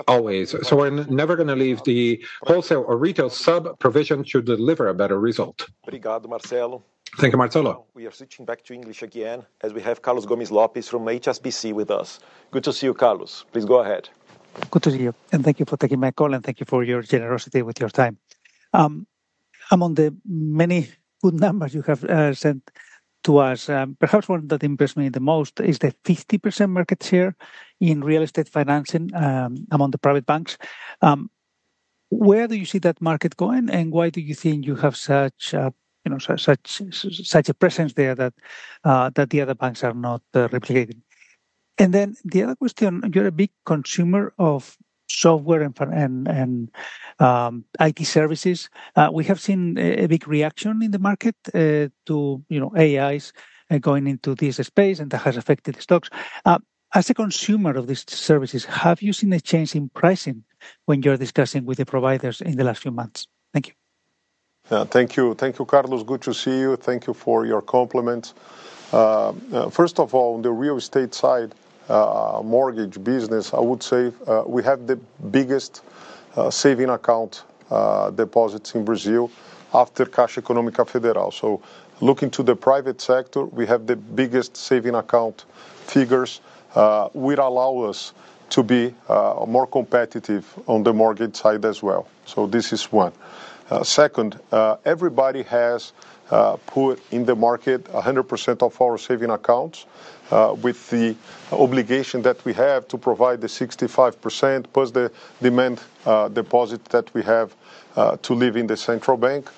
always. So we're never gonna leave the Wholesale or Retail sub-provision should deliver a better result. Thank you, Marcelo. Thank you, Marcelo. We are switching back to English again, as we have Carlos Gomez-Lopez from HSBC with us. Good to see you, Carlos. Please go ahead. Good to see you, and thank you for taking my call, and thank you for your generosity with your time. Among the many good numbers you have sent to us, perhaps one that impressed me the most is the 50% market share in real estate financing, among the private banks. Where do you see that market going, and why do you think you have such a presence there that that the other banks are not replicating? And then the other question, you're a big consumer of software and for and IT services. We have seen a, a big reaction in the market to, you know, AIs going into this space, and that has affected the stocks. As a consumer of these services, have you seen a change in pricing when you're discussing with the providers in the last few months? Thank you. Thank you. Thank you, Carlos. Good to see you. Thank you for your compliment. First of all, the real estate side, mortgage business, I would say, we have the biggest saving account deposits in Brazil after Caixa Econômica Federal. So looking to the private sector, we have the biggest saving account figures, which allow us to be more competitive on the mortgage side as well. So this is one. Second, everybody has put in the market 100% of our saving accounts, with the obligation that we have to provide the 65%+ the demand deposit that we have, to leave in the central bank.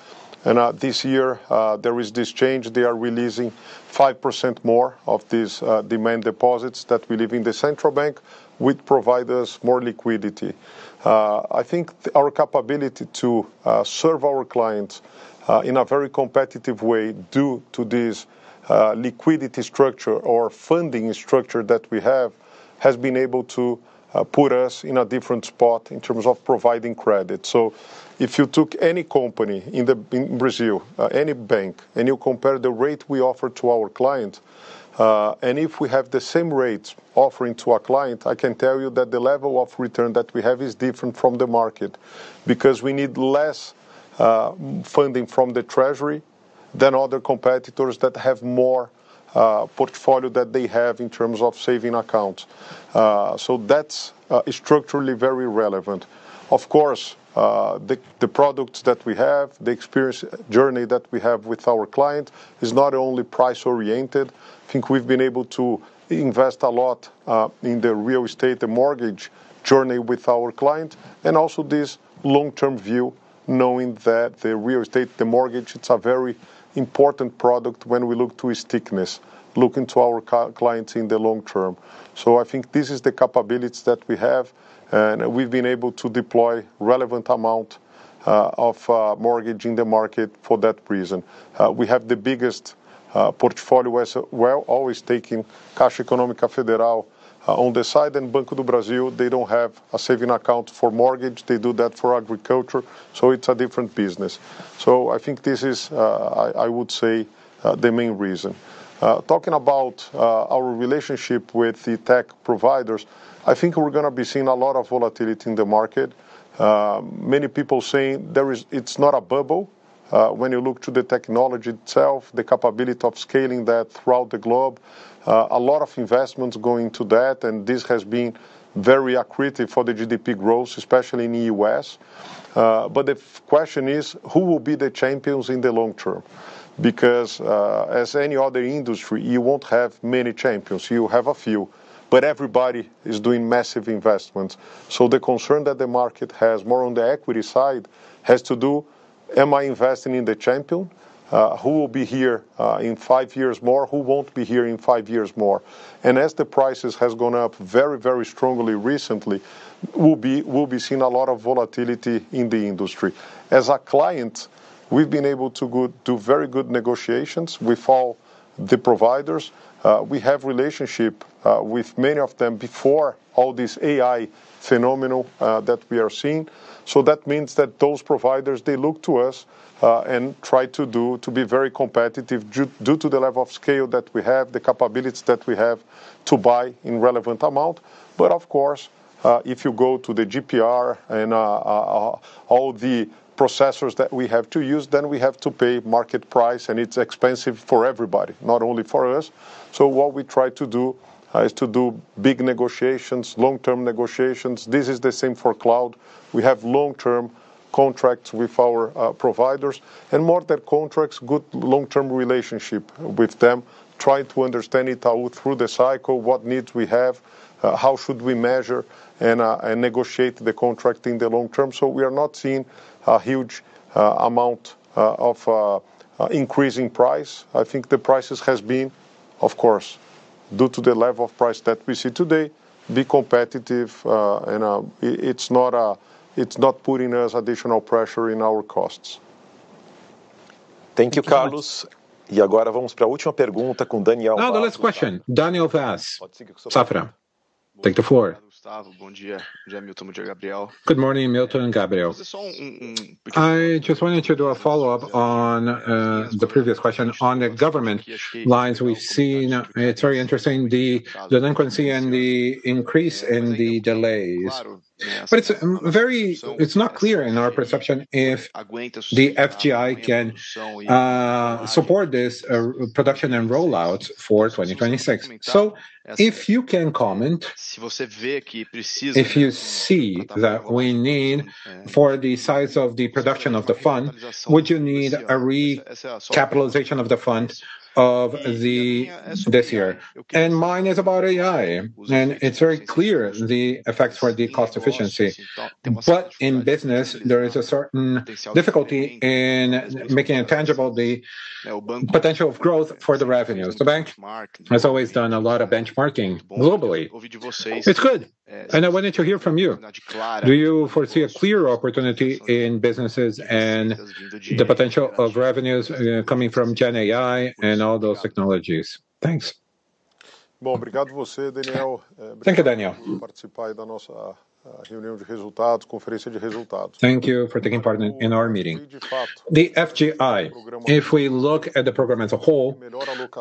And this year, there is this change. They are releasing 5% more of these demand deposits that we leave in the central bank, which provide us more liquidity. I think our capability to serve our clients in a very competitive way, due to this liquidity structure or funding structure that we have, has been able to put us in a different spot in terms of providing credit. So if you took any company in Brazil, any bank, and you compare the rate we offer to our client, and if we have the same rate offering to our client, I can tell you that the level of return that we have is different from the market, because we need less funding from the treasury than other competitors that have more portfolio that they have in terms of savings accounts. So that's structurally very relevant. Of course, the products that we have, the experience journey that we have with our client is not only price-oriented. I think we've been able to invest a lot in the real estate, the mortgage journey with our client, and also this long-term view, knowing that the real estate, the mortgage, it's a very important product when we look to its thickness, looking to our clients in the long term. So I think this is the capabilities that we have, and we've been able to deploy relevant amount of mortgage in the market for that reason. We have the biggest portfolio as well, always taking Caixa Econômica Federal on the side, and Banco do Brasil, they don't have a savings account for mortgage. They do that for agriculture, so it's a different business. So I think this is, I, I would say, the main reason. Talking about our relationship with the tech providers, I think we're gonna be seeing a lot of volatility in the market. Many people saying there is... It's not a bubble. When you look to the technology itself, the capability of scaling that throughout the globe, a lot of investments going to that, and this has been very accretive for the GDP growth, especially in the U.S. But the question is, who will be the champions in the long term? Because, as any other industry, you won't have many champions. You have a few, but everybody is doing massive investments. So the concern that the market has more on the equity side has to do, am I investing in the champion? Who will be here in five years more? Who won't be here in five years more? And as the prices has gone up very, very strongly recently, we'll be seeing a lot of volatility in the industry. As a client, we've been able to go do very good negotiations with all the providers. We have relationship with many of them before all this AI phenomenon that we are seeing. So that means that those providers, they look to us and try to be very competitive due to the level of scale that we have, the capabilities that we have to buy in relevant amount. But of course, if you go to the GPR and all the processors that we have to use, then we have to pay market price, and it's expensive for everybody, not only for us. So what we try to do is to do big negotiations, long-term negotiations. This is the same for cloud. We have long-term contracts with our providers, and more than contracts, good long-term relationship with them, trying to understand it all through the cycle, what needs we have, how should we measure, and negotiate the contract in the long term. So we are not seeing a huge amount of increase in price. I think the prices has been, of course, due to the level of price that we see today, be competitive, and, it's not, it's not putting us additional pressure in our costs. Thank you, Carlos. Now the last question, Daniel Vaz, Safra. Take the floor. Good morning, Milton and Gabriel. I just wanted to do a follow-up on the previous question. On the government lines, we've seen it's very interesting, the delinquency and the increase in the delays. But it's very. It's not clear in our perception if the FGI can support this production and rollout for 2026. So if you can comment, if you see that we need, for the size of the production of the fund, would you need a recapitalization of the fund of the this year? And mine is about AI, and it's very clear the effects for the cost efficiency. But in business, there is a certain difficulty in making it tangible, the potential of growth for the revenues. The bank has always done a lot of benchmarking globally. It's good, and I wanted to hear from you. Do you foresee a clear opportunity in businesses and the potential of revenues, coming from GenAI and all those technologies? Thanks. Thank you, Daniel. Thank you for taking part in our meeting. The FGI, if we look at the program as a whole,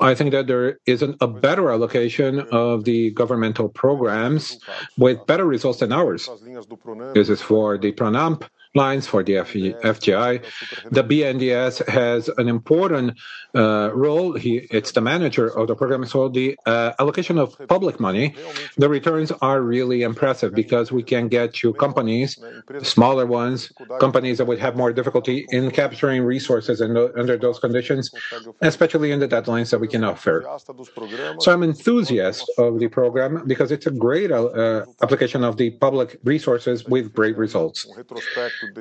I think that there isn't a better allocation of the governmental programs with better results than ours. This is for the PRONAMPE lines, for the FGI. The BNDES has an important role here. It's the manager of the program. So the allocation of public money, the returns are really impressive because we can get to companies, smaller ones, companies that would have more difficulty in capturing resources under those conditions, especially in the deadlines that we can offer. So I'm enthusiast of the program because it's a great application of the public resources with great results.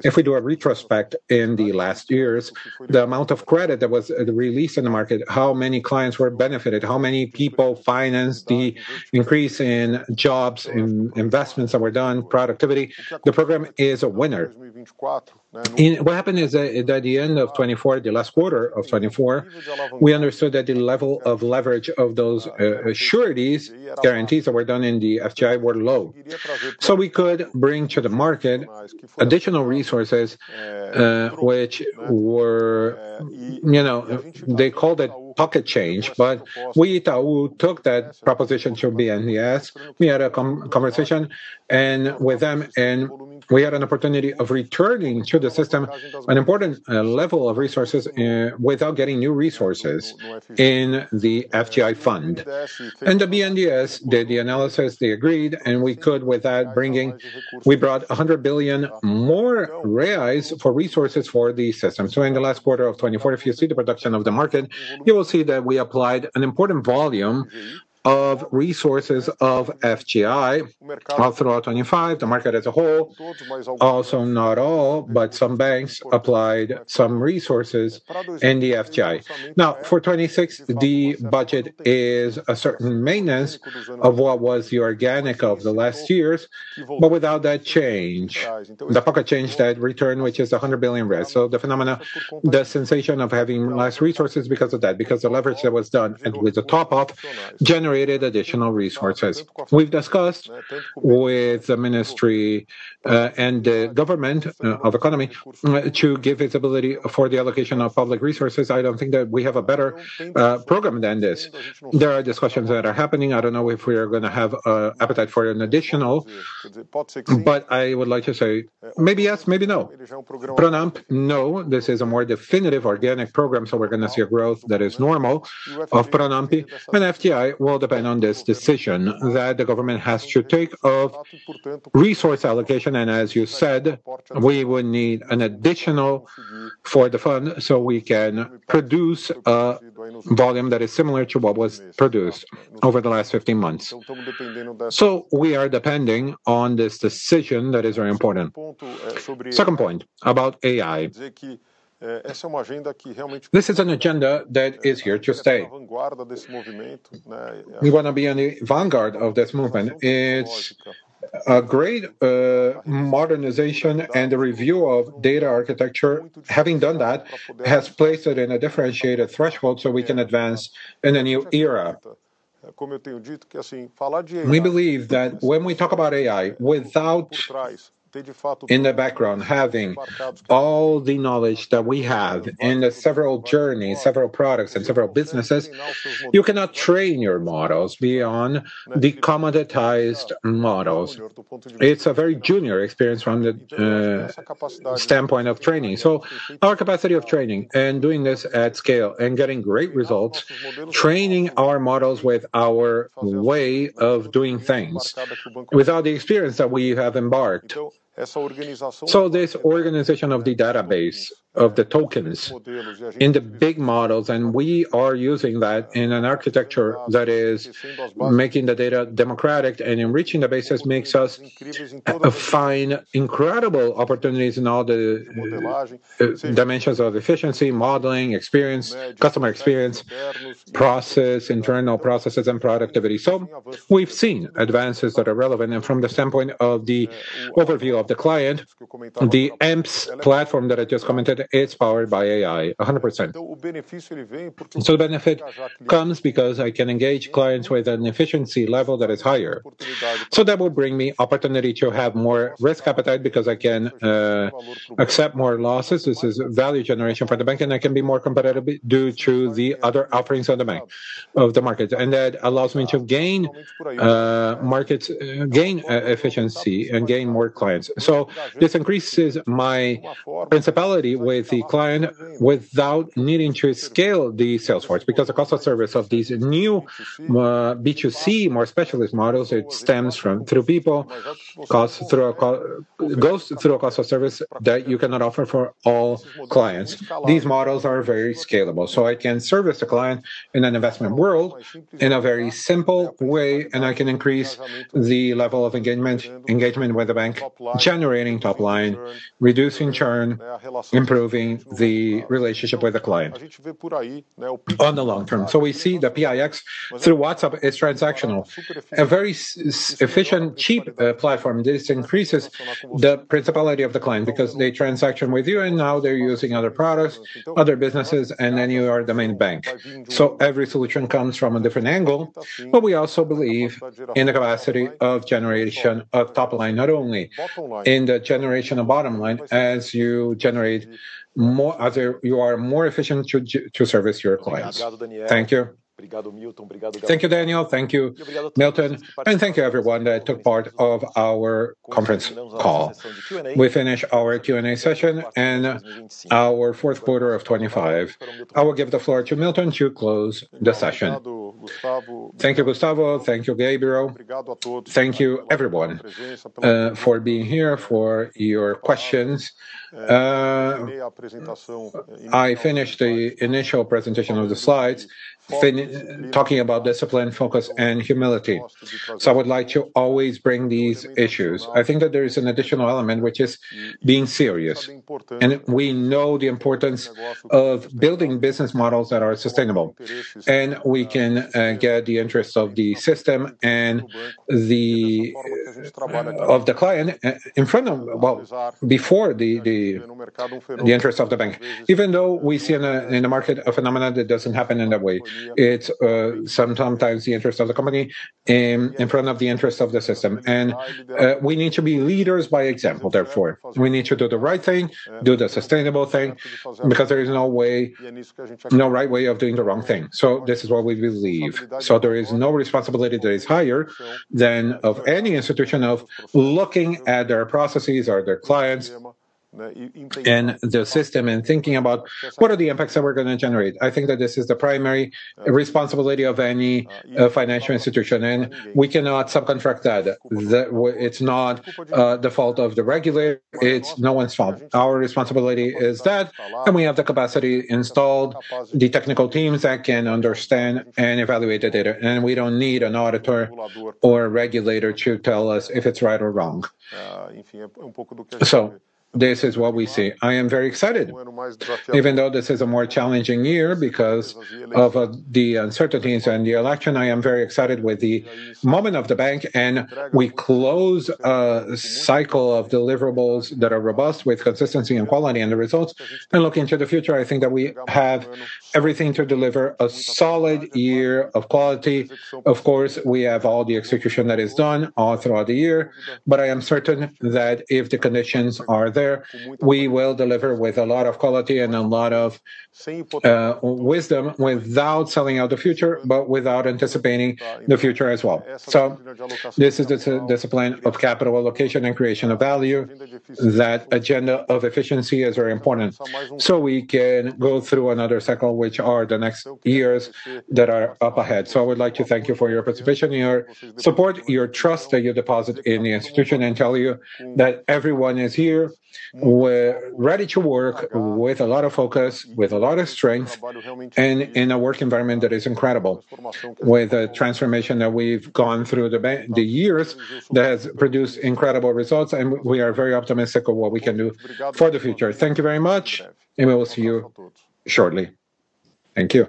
If we do a retrospect in the last years, the amount of credit that was released in the market, how many clients were benefited, how many people financed the increase in jobs, in investments that were done, productivity, the program is a winner. What happened is that, at the end of 2024, the last quarter of 2024, we understood that the level of leverage of those sureties, guarantees that were done in the FGI, were low. So we could bring to the market additional resources, which were, you know, they called it pocket change, but we, Itaú, took that proposition to BNDES. We had a conversation with them, and we had an opportunity of returning to the system an important level of resources, without getting new resources in the FGI fund. And the BNDES did the analysis, they agreed, and we could without bringing. We brought 100 billion reais more for resources for the system. So in the last quarter of 2024, if you see the production of the market, you will see that we applied an important volume of resources of FGI. All throughout 2025, the market as a whole, also, not all, but some banks applied some resources in the FGI. Now, for 2026, the budget is a certain maintenance of what was the organic of the last years, but without that change, the pocket change, that return, which is 100 billion. So the phenomena, the sensation of having less resources because of that, because the leverage that was done, and with the top off, generated additional resources. We've discussed with the ministry and the government of economy to give visibility for the allocation of public resources. I don't think that we have a better program than this. There are discussions that are happening. I don't know if we are gonna have appetite for an additional, but I would like to say maybe yes, maybe no. PRONAMPE, no, this is a more definitive organic program, so we're gonna see a growth that is normal of PRONAMPE. FGI will depend on this decision that the government has to take of resource allocation, and as you said, we would need an additional for the fund, so we can produce a volume that is similar to what was produced over the last 15 months. We are depending on this decision that is very important. Second point about AI. This is an agenda that is here to stay. We wanna be on the vanguard of this movement. It's a great modernization and the review of data architecture, having done that, has placed it in a differentiated threshold, so we can advance in a new era. We believe that when we talk about AI, without, in the background, having all the knowledge that we have in the several journeys, several products, and several businesses, you cannot train your models beyond the commoditized models. It's a very junior experience from the standpoint of training. So our capacity of training and doing this at scale and getting great results, training our models with our way of doing things, without the experience that we have embarked. So this organization of the database, of the tokens in the big models, and we are using that in an architecture that is making the data democratic and enriching the bases, makes us find incredible opportunities in all the dimensions of efficiency, modeling, experience, customer experience, process, internal processes, and productivity. So we've seen advances that are relevant, and from the standpoint of the overview of the client, the Emp's platform that I just commented, is powered by AI, 100%. So the benefit comes because I can engage clients with an efficiency level that is higher. So that will bring me opportunity to have more risk appetite because I can accept more losses. This is value generation for the bank, and I can be more competitive due to the other offerings of the bank, of the market. That allows me to gain markets, gain efficiency, and gain more clients. This increases my proximity with the client without needing to scale the sales force, because the cost of service of these new B2C, more specialist models, it stems from through people, cost goes through a cost of service that you cannot offer for all clients. These models are very scalable, so I can service the client in an investment world in a very simple way, and I can increase the level of engagement with the bank, generating top line, reducing churn, improving the relationship with the client in the long term. So we see the Pix through WhatsApp is transactional. A very efficient, cheap platform. This increases the proximity of the client because they transact with you, and now they're using other products, other businesses, and then you are the main bank. So every solution comes from a different angle, but we also believe in the capacity of generation of top line, not only in the generation of bottom line, as you generate more. As you are more efficient to service your clients. Thank you. Thank you, Daniel. Thank you, Milton, and thank you everyone that took part of our conference call. We finish our Q&A session and our fourth quarter of 2025. I will give the floor to Milton to close the session. Thank you, Gustavo. Thank you, Gabriel. Thank you, everyone, for being here, for your questions. I finished the initial presentation of the slides, talking about discipline, focus, and humility. So I would like to always bring these issues. I think that there is an additional element, which is being serious, and we know the importance of building business models that are sustainable, and we can get the interest of the system and the, of the client before the interest of the bank. Even though we see in the market a phenomenon that doesn't happen in that way, it's sometimes the interest of the company in front of the interest of the system. We need to be leaders by example therefore. We need to do the right thing, do the sustainable thing, because there is no way, no right way of doing the wrong thing. So this is what we believe. So there is no responsibility that is higher than of any institution of looking at their processes or their clients in the system and thinking about what are the impacts that we're gonna generate? I think that this is the primary responsibility of any financial institution, and we cannot subcontract that. It's not the fault of the regulator, it's no one's fault. Our responsibility is that, and we have the capacity installed, the technical teams that can understand and evaluate the data, and we don't need an auditor or a regulator to tell us if it's right or wrong. So this is what we see. I am very excited. Even though this is a more challenging year because of, the uncertainties and the election, I am very excited with the moment of the bank, and we close, a cycle of deliverables that are robust with consistency and quality and the results. Looking to the future, I think that we have everything to deliver a solid year of quality. Of course, we have all the execution that is done all throughout the year, but I am certain that if the conditions are there, we will deliver with a lot of quality and a lot of wisdom, without selling out the future, but without anticipating the future as well. So this is the discipline of capital allocation and creation of value. That agenda of efficiency is very important. So we can go through another cycle, which are the next years that are up ahead. So I would like to thank you for your participation, your support, your trust that you deposit in the institution, and tell you that everyone is here. We're ready to work with a lot of focus, with a lot of strength, and in a work environment that is incredible, with a transformation that we've gone through the years, that has produced incredible results, and we are very optimistic of what we can do for the future. Thank you very much, and we will see you shortly. Thank you.